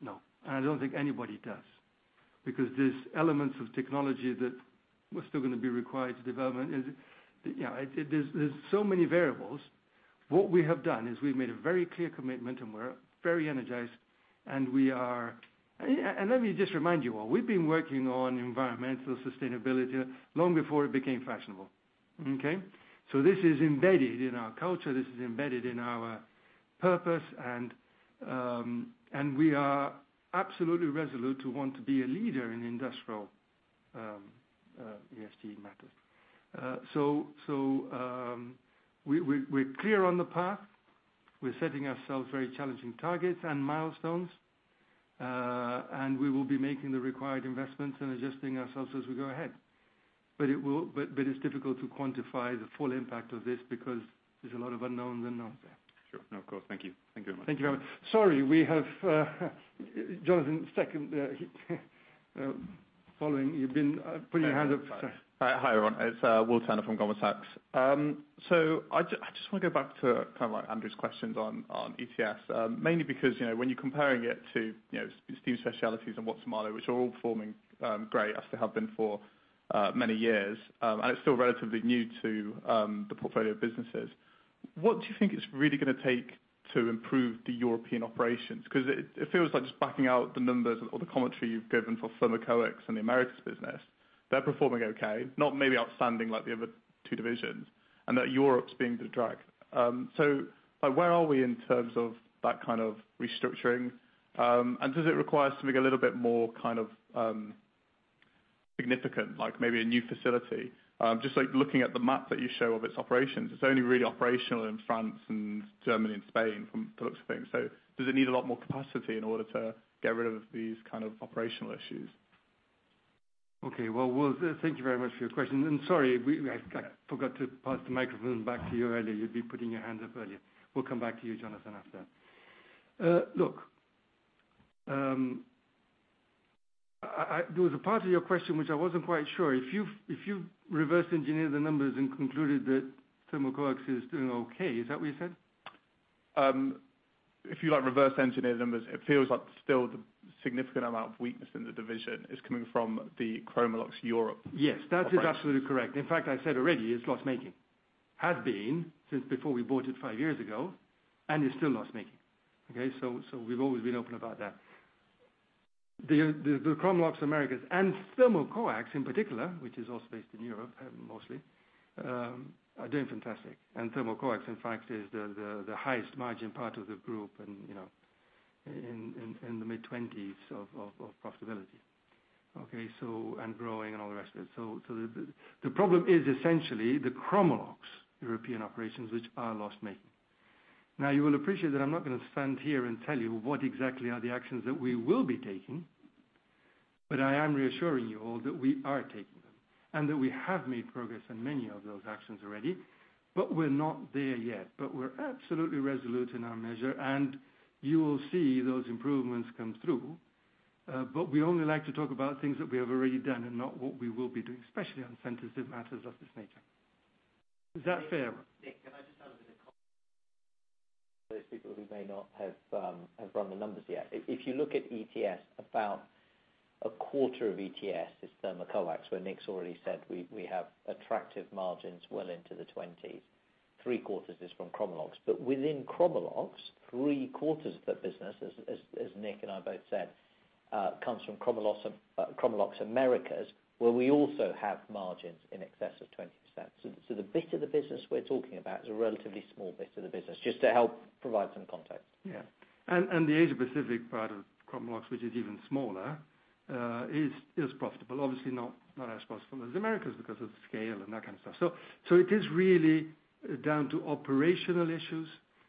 No. I don't think anybody does. Because there's elements of technology that are still gonna be required. You know, there's so many variables. What we have done is we've made a very clear commitment, and we're very energized, and we are. Let me just remind you all, we've been working on environmental sustainability long before it became fashionable, okay? This is embedded in our culture, this is embedded in our purpose, and we are absolutely resolute to want to be a leader in industrial ESG matters. We are clear on the path. We're setting ourselves very challenging targets and milestones, and we will be making the required investments and adjusting ourselves as we go ahead. It's difficult to quantify the full impact of this because there's a lot of unknowns in there. Sure. No, of course. Thank you. Thank you very much. Thank you very much. Sorry, we have Jonathan second, he's following. You've been putting your hand up. Hi, everyone. It's Will Turner from Goldman Sachs. So I just wanna go back to kinda like Andrew's questions on ETS. Mainly because, you know, when you're comparing it to, you know, Steam Specialties and Watson-Marlow, which are all performing great, as they have been for many years, and it's still relatively new to the portfolio of businesses, what do you think it's really gonna take to improve the European operations? 'Cause it feels like just backing out the numbers or the commentary you've given for Thermocoax and the Americas business, they're performing okay, not maybe outstanding like the other two divisions, and that Europe's being the drag. So like where are we in terms of that kind of restructuring? Does it require something a little bit more kind of significant, like maybe a new facility? Just like looking at the map that you show of its operations, it's only really operational in France and Germany and Spain from the looks of things. Does it need a lot more capacity in order to get rid of these kind of operational issues? Okay. Well, Will, thank you very much for your question, and sorry, I forgot to pass the microphone back to you earlier. You'd been putting your hands up earlier. We'll come back to you, Jonathan, after. Look, there was a part of your question which I wasn't quite sure. If you reverse engineer the numbers and concluded that Thermocoax is doing okay, is that what you said? If you like reverse engineer the numbers, it feels like still the significant amount of weakness in the division is coming from the Chromalox Europe operations. Yes, that is absolutely correct. In fact, I said already it's loss-making. Has been since before we bought it five years ago, and is still loss-making. Okay? We've always been open about that. The Chromalox Americas and Thermocoax in particular, which is also based in Europe, mostly, are doing fantastic. Thermocoax, in fact, is the highest margin part of the group and, you know, in the mid-20s% of profitability. Okay? Growing and all the rest of it. The problem is essentially the Chromalox Europe operations which are loss-making. Now, you will appreciate that I'm not gonna stand here and tell you what exactly are the actions that we will be taking, but I am reassuring you all that we are taking them and that we have made progress on many of those actions already, but we're not there yet. We're absolutely resolute in our measure, and you will see those improvements come through. We only like to talk about things that we have already done and not what we will be doing, especially on sensitive matters of this nature. Is that fair? Nick, can I just add a bit of context for those people who may not have run the numbers yet. If you look at ETS, about a quarter of ETS is Thermocoax where Nick's already said we have attractive margins well into the 20s%. Three-quarters is from Chromalox. But within Chromalox, three-quarters of that business as Nick and I both said comes from Chromalox Americas, where we also have margins in excess of 20%. The bit of the business we're talking about is a relatively small bit of the business, just to help provide some context. The Asia Pacific part of Chromalox, which is even smaller, is profitable. Obviously not as profitable as Americas because of scale and that kind of stuff. It is really down to operational issues.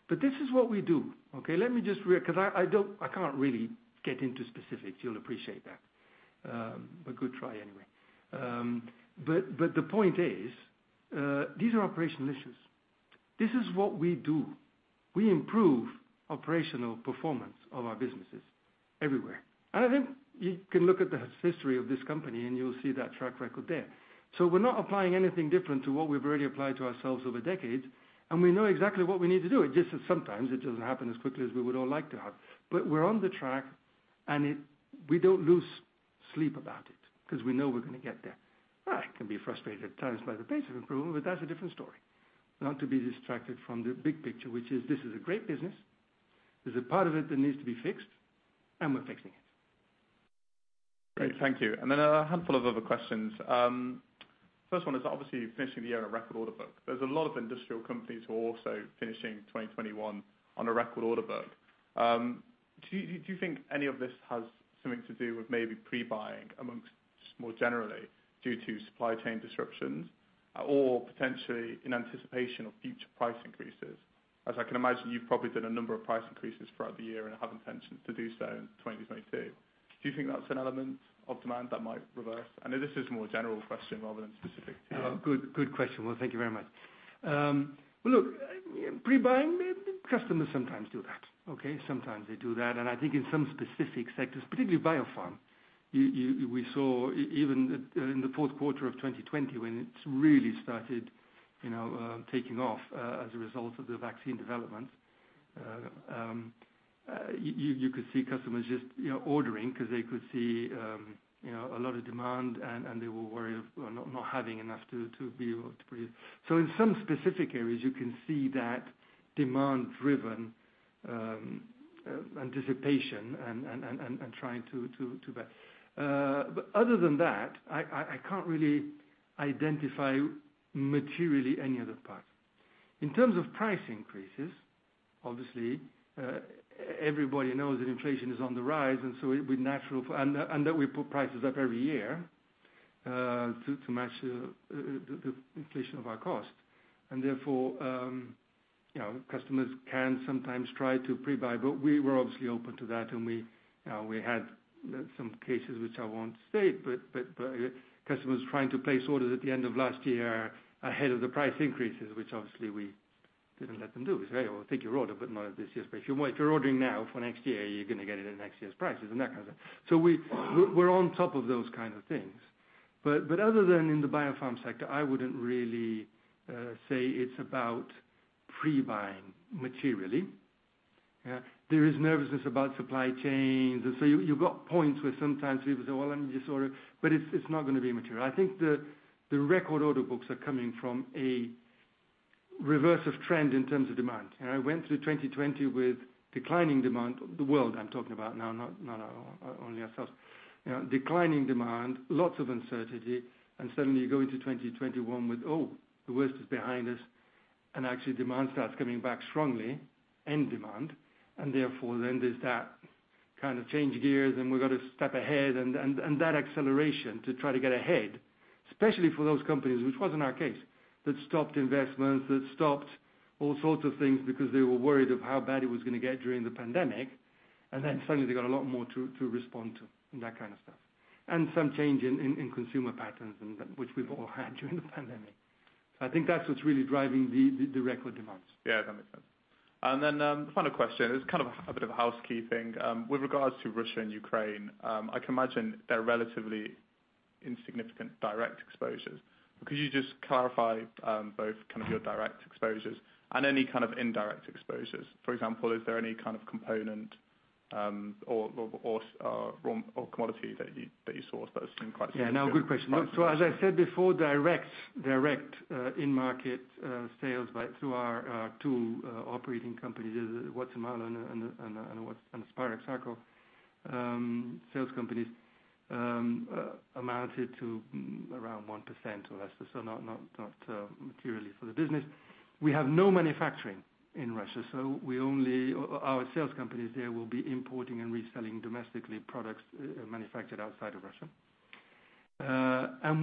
This is what we do, okay? 'Cause I don't, I can't really get into specifics. You'll appreciate that. Good try anyway. The point is, these are operational issues. This is what we do. We improve operational performance of our businesses everywhere. I think you can look at the history of this company, and you'll see that track record there. We're not applying anything different to what we've already applied to ourselves over decades, and we know exactly what we need to do. It's just that sometimes it doesn't happen as quickly as we would all like to have. We're on the track, and it, we don't lose sleep about it, 'cause we know we're gonna get there. I can be frustrated at times by the pace of improvement, but that's a different story. Not to be distracted from the big picture, which is this is a great business. There's a part of it that needs to be fixed, and we're fixing it. Great. Thank you. A handful of other questions. First one is obviously finishing the year on a record order book. There's a lot of industrial companies who are also finishing 2021 on a record order book. Do you think any of this has something to do with maybe pre-buying amongst more generally due to supply chain disruptions or potentially in anticipation of future price increases? As I can imagine, you've probably done a number of price increases throughout the year and have intentions to do so in 2022. Do you think that's an element of demand that might reverse? I know this is a more general question rather than specific to you. Good question, Will. Thank you very much. Well, look, pre-buying, customers sometimes do that. Okay? Sometimes they do that, and I think in some specific sectors, particularly biopharm, we saw even in the fourth quarter of 2020 when it really started, you know, taking off, as a result of the vaccine development. You could see customers just, you know, ordering 'cause they could see, you know, a lot of demand and they were worried of not having enough to be able to produce. In some specific areas, you can see that demand driven anticipation and trying to buy. But other than that, I can't really identify materially any other part. In terms of price increases, obviously, everybody knows that inflation is on the rise, and so it'd be natural that we put prices up every year to match the inflation of our cost. Therefore, you know, customers can sometimes try to pre-buy. We were obviously open to that, and we had some cases which I won't state, but customers trying to place orders at the end of last year ahead of the price increases, which obviously we didn't let them do. We say, "Well, we'll take your order, but not at this year's price. You know what? If you're ordering now for next year, you're gonna get it at next year's prices," and that kind of thing. We're on top of those kind of things. Other than in the biopharm sector, I wouldn't really say it's about pre-buying materially. Yeah. There is nervousness about supply chains. You've got points where sometimes people say, "Well, let me just order." It's not gonna be material. I think the record order books are coming from a reversal of trend in terms of demand. You know, it went through 2020 with declining demand. The world I'm talking about now, not only ourselves. You know, declining demand, lots of uncertainty, and suddenly you go into 2021 with, "Oh, the worst is behind us," and actually demand starts coming back strongly, end demand. Therefore, then there's that kind of change gears, and we've gotta step ahead and that acceleration to try to get ahead, especially for those companies, which wasn't our case, that stopped investments, that stopped all sorts of things because they were worried of how bad it was gonna get during the pandemic. Then suddenly they've got a lot more to respond to and that kind of stuff. Some change in consumer patterns, which we've all had during the pandemic. I think that's what's really driving the record demands. Yeah, that makes sense. Final question. It's kind of a bit of a housekeeping. With regards to Russia and Ukraine, I can imagine they're relatively insignificant direct exposures. Could you just clarify both kind of your direct exposures and any kind of indirect exposures? For example, is there any kind of component or commodity that you source that's in quite significant- Yeah, no, good question. As I said before, direct in-market sales through our two operating companies, Watson-Marlow and Spirax Sarco sales companies amounted to around 1% or less. Not materially for the business. We have no manufacturing in Russia, so we only our sales companies there will be importing and reselling domestically products manufactured outside of Russia.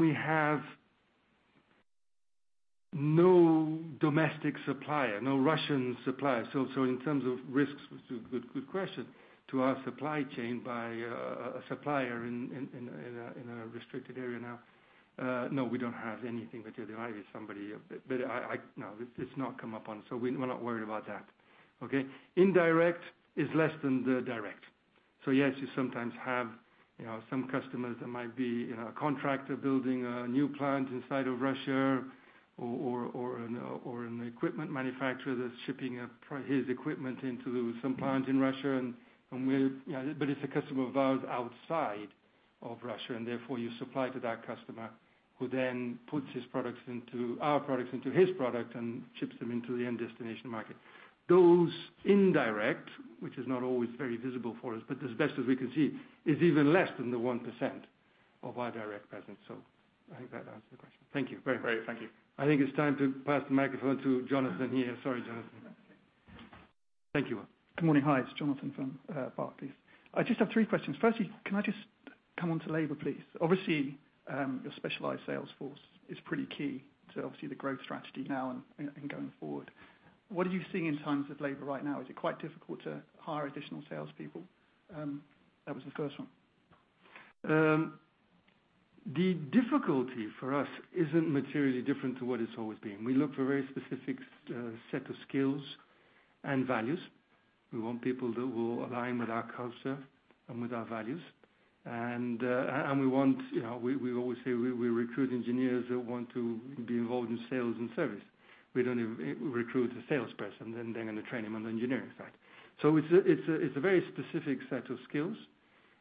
We have no domestic supplier, no Russian supplier. In terms of risks, it's a good question to our supply chain by a supplier in a restricted area now. No, we don't have anything that we're relying on somebody. No, it's not come up. We're not worried about that. Okay. Indirect is less than the direct. Yes, you sometimes have, you know, some customers that might be, you know, a contractor building a new plant inside of Russia or an equipment manufacturer that's shipping his equipment into some plant in Russia. Yeah, but it's a customer of ours outside of Russia, and therefore, you supply to that customer who then puts our products into his product and ships them into the end destination market. Those indirect, which is not always very visible for us, but as best as we can see, is even less than the 1% of our direct presence. I think that answers the question. Thank you. Great. Thank you. I think it's time to pass the microphone to Jonathan here. Sorry, Jonathan. Thank you. Good morning. Hi, it's Jonathan from Barclays. I just have three questions. Firstly, can I just come onto labor, please? Obviously, your specialized sales force is pretty key to obviously the growth strategy now and going forward. What are you seeing in terms of labor right now? Is it quite difficult to hire additional salespeople? That was the first one. The difficulty for us isn't materially different to what it's always been. We look for a very specific set of skills and values. We want people that will align with our culture and with our values. You know, we always say we recruit engineers that want to be involved in sales and service. We don't recruit a salesperson, then they're gonna train him on the engineering side. It's a very specific set of skills.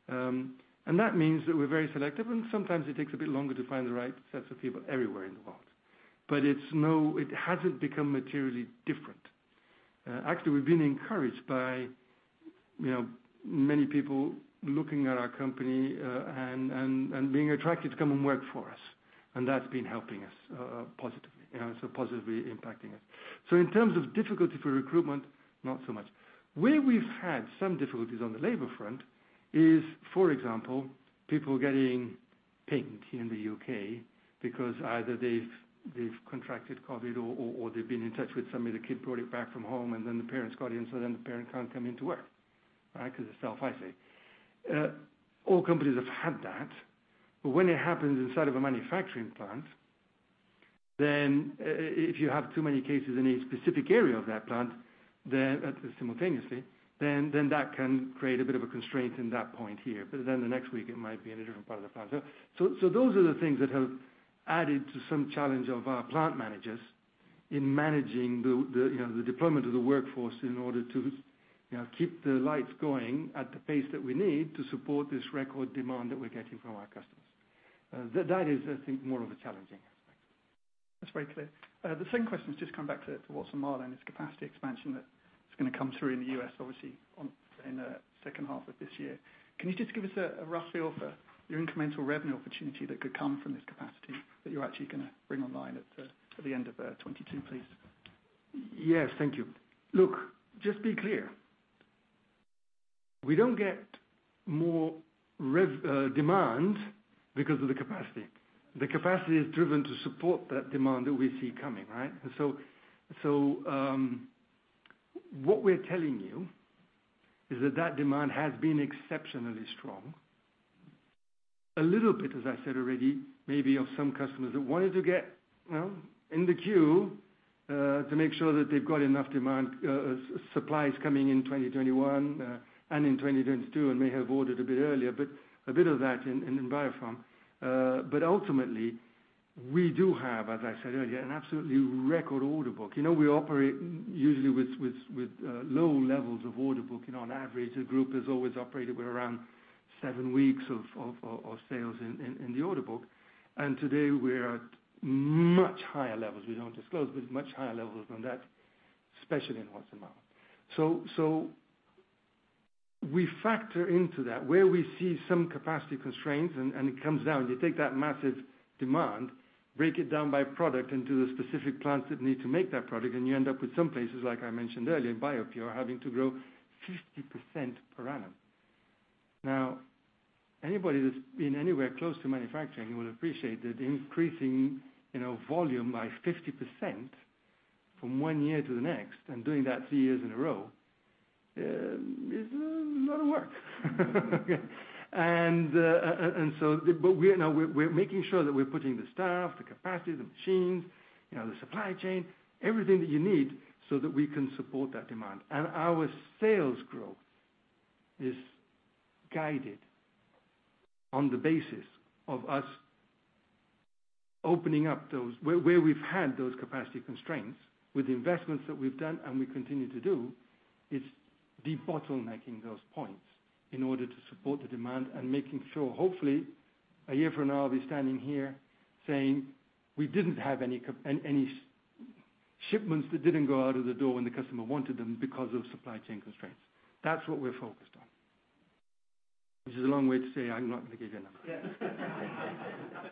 That means that we're very selective, and sometimes it takes a bit longer to find the right sets of people everywhere in the world. It hasn't become materially different. Actually, we've been encouraged by, you know, many people looking at our company, and being attracted to come and work for us, and that's been helping us, positively. You know, positively impacting us. In terms of difficulty for recruitment, not so much. Where we've had some difficulties on the labor front is, for example, people getting pinged in the U.K. because either they've contracted COVID or they've been in touch with somebody, the kid brought it back from home, and then the parents got it, and so then the parent can't come into work, right? 'Cause it's self-isolate. All companies have had that. When it happens inside of a manufacturing plant, then if you have too many cases in a specific area of that plant simultaneously, then that can create a bit of a constraint in that point here. The next week it might be in a different part of the plant. Those are the things that have added to some challenge of our plant managers in managing the you know, the deployment of the workforce in order to you know, keep the lights going at the pace that we need to support this record demand that we're getting from our customers. That is, I think, more of a challenging aspect. That's very clear. The second question is just come back to Watson-Marlow and its capacity expansion that is gonna come through in the U.S., obviously in the second half of this year. Can you just give us a rough feel for your incremental revenue opportunity that could come from this capacity that you're actually gonna bring online at the end of 2022, please? Yes, thank you. Look, just be clear. We don't get more demand because of the capacity. The capacity is driven to support that demand that we see coming, right? What we're telling you is that that demand has been exceptionally strong. A little bit, as I said already, maybe some customers that wanted to get, you know, in the queue to make sure that they've got enough supplies coming in 2021 and in 2022, and may have ordered a bit earlier, but a bit of that in biopharma. Ultimately, we do have, as I said earlier, an absolutely record order book. You know, we operate usually with low levels of order book. On average, the group has always operated with around seven weeks of sales in the order book. Today we're at much higher levels. We don't disclose, but much higher levels than that, especially in Watson-Marlow. We factor into that where we see some capacity constraints and it comes down. You take that massive demand, break it down by product into the specific plants that need to make that product, and you end up with some places, like I mentioned earlier, BioPure, are having to grow 50% per annum. Now, anybody that's been anywhere close to manufacturing will appreciate that increasing, you know, volume by 50% from one year to the next, and doing that three years in a row, is a lot of work. We're making sure that we're putting the staff, the capacity, the machines, you know, the supply chain, everything that you need so that we can support that demand. Our sales growth is guided on the basis of us opening up those, where we've had those capacity constraints with the investments that we've done and we continue to do, it's debottlenecking those points in order to support the demand. Making sure, hopefully, a year from now, I'll be standing here saying, "We didn't have any shipments that didn't go out of the door when the customer wanted them because of supply chain constraints." That's what we're focused on. Which is a long way to say I'm not gonna give you a number. Yeah.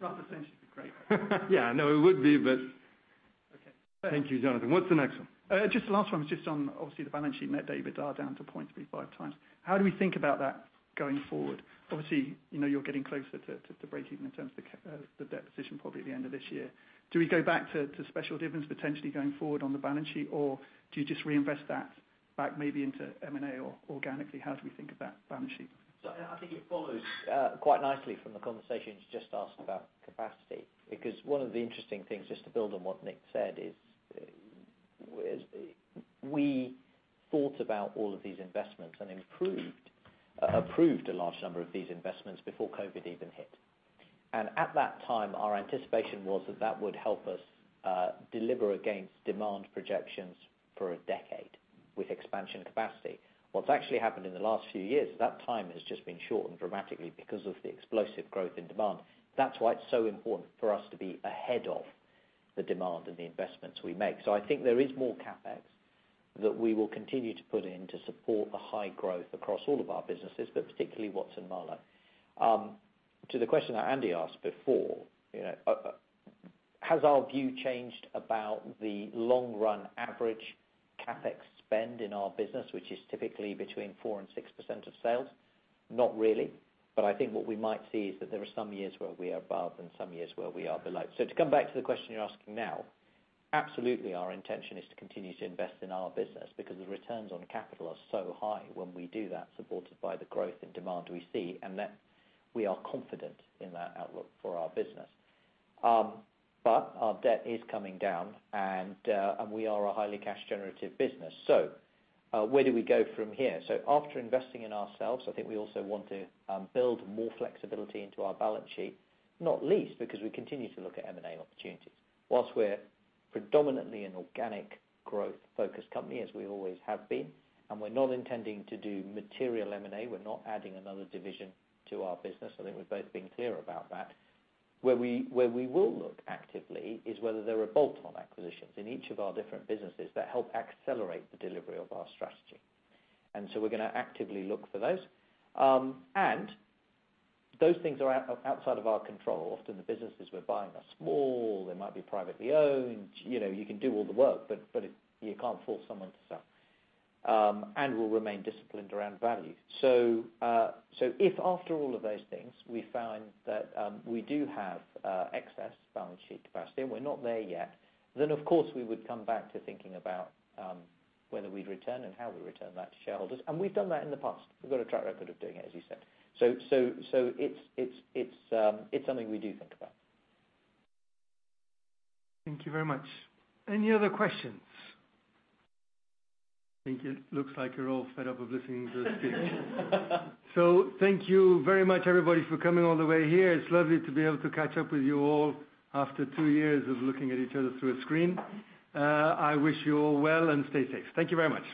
Roughly 50 would be great. Yeah, no, it would be. Okay. Thank you, Jonathan. What's the next one? Just the last one was just on, obviously, the balance sheet net debt to EBITDA down to 0.35x. How do we think about that going forward? Obviously, you know, you're getting closer to breaking even in terms of the debt position probably at the end of this year. Do we go back to special dividends potentially going forward on the balance sheet? Or do you just reinvest that back maybe into M&A or organically? How do we think of that balance sheet? I think it follows quite nicely from the conversation you just asked about capacity, because one of the interesting things, just to build on what Nick said, is we thought about all of these investments and approved a large number of these investments before COVID even hit. At that time, our anticipation was that that would help us deliver against demand projections for a decade with expansion capacity. What's actually happened in the last few years, that time has just been shortened dramatically because of the explosive growth in demand. That's why it's so important for us to be ahead of the demand and the investments we make. I think there is more CapEx that we will continue to put in to support the high growth across all of our businesses, but particularly Watson-Marlow. To the question that Andy asked before, you know, has our view changed about the long run average CapEx spend in our business, which is typically between 4%-6% of sales? Not really. I think what we might see is that there are some years where we are above and some years where we are below. To come back to the question you're asking now, absolutely our intention is to continue to invest in our business because the returns on capital are so high when we do that, supported by the growth and demand we see, and that we are confident in that outlook for our business. But our debt is coming down and we are a highly cash generative business. Where do we go from here? After investing in ourselves, I think we also want to build more flexibility into our balance sheet, not least because we continue to look at M&A opportunities. While we're predominantly an organic growth-focused company, as we always have been, and we're not intending to do material M&A, we're not adding another division to our business. I think we've both been clear about that. Where we will look actively is whether there are bolt-on acquisitions in each of our different businesses that help accelerate the delivery of our strategy. We're gonna actively look for those. Those things are outside of our control. Often the businesses we're buying are small, they might be privately owned. You know, you can do all the work, but you can't force someone to sell. We'll remain disciplined around value. If after all of those things, we find that we do have excess balance sheet capacity, and we're not there yet, then of course we would come back to thinking about whether we'd return and how we return that to shareholders. We've done that in the past. We've got a track record of doing it, as you said. It's something we do think about. Thank you very much. Any other questions? I think it looks like you're all fed up of listening to us speak. Thank you very much, everybody, for coming all the way here. It's lovely to be able to catch up with you all after two years of looking at each other through a screen. I wish you all well, and stay safe. Thank you very much.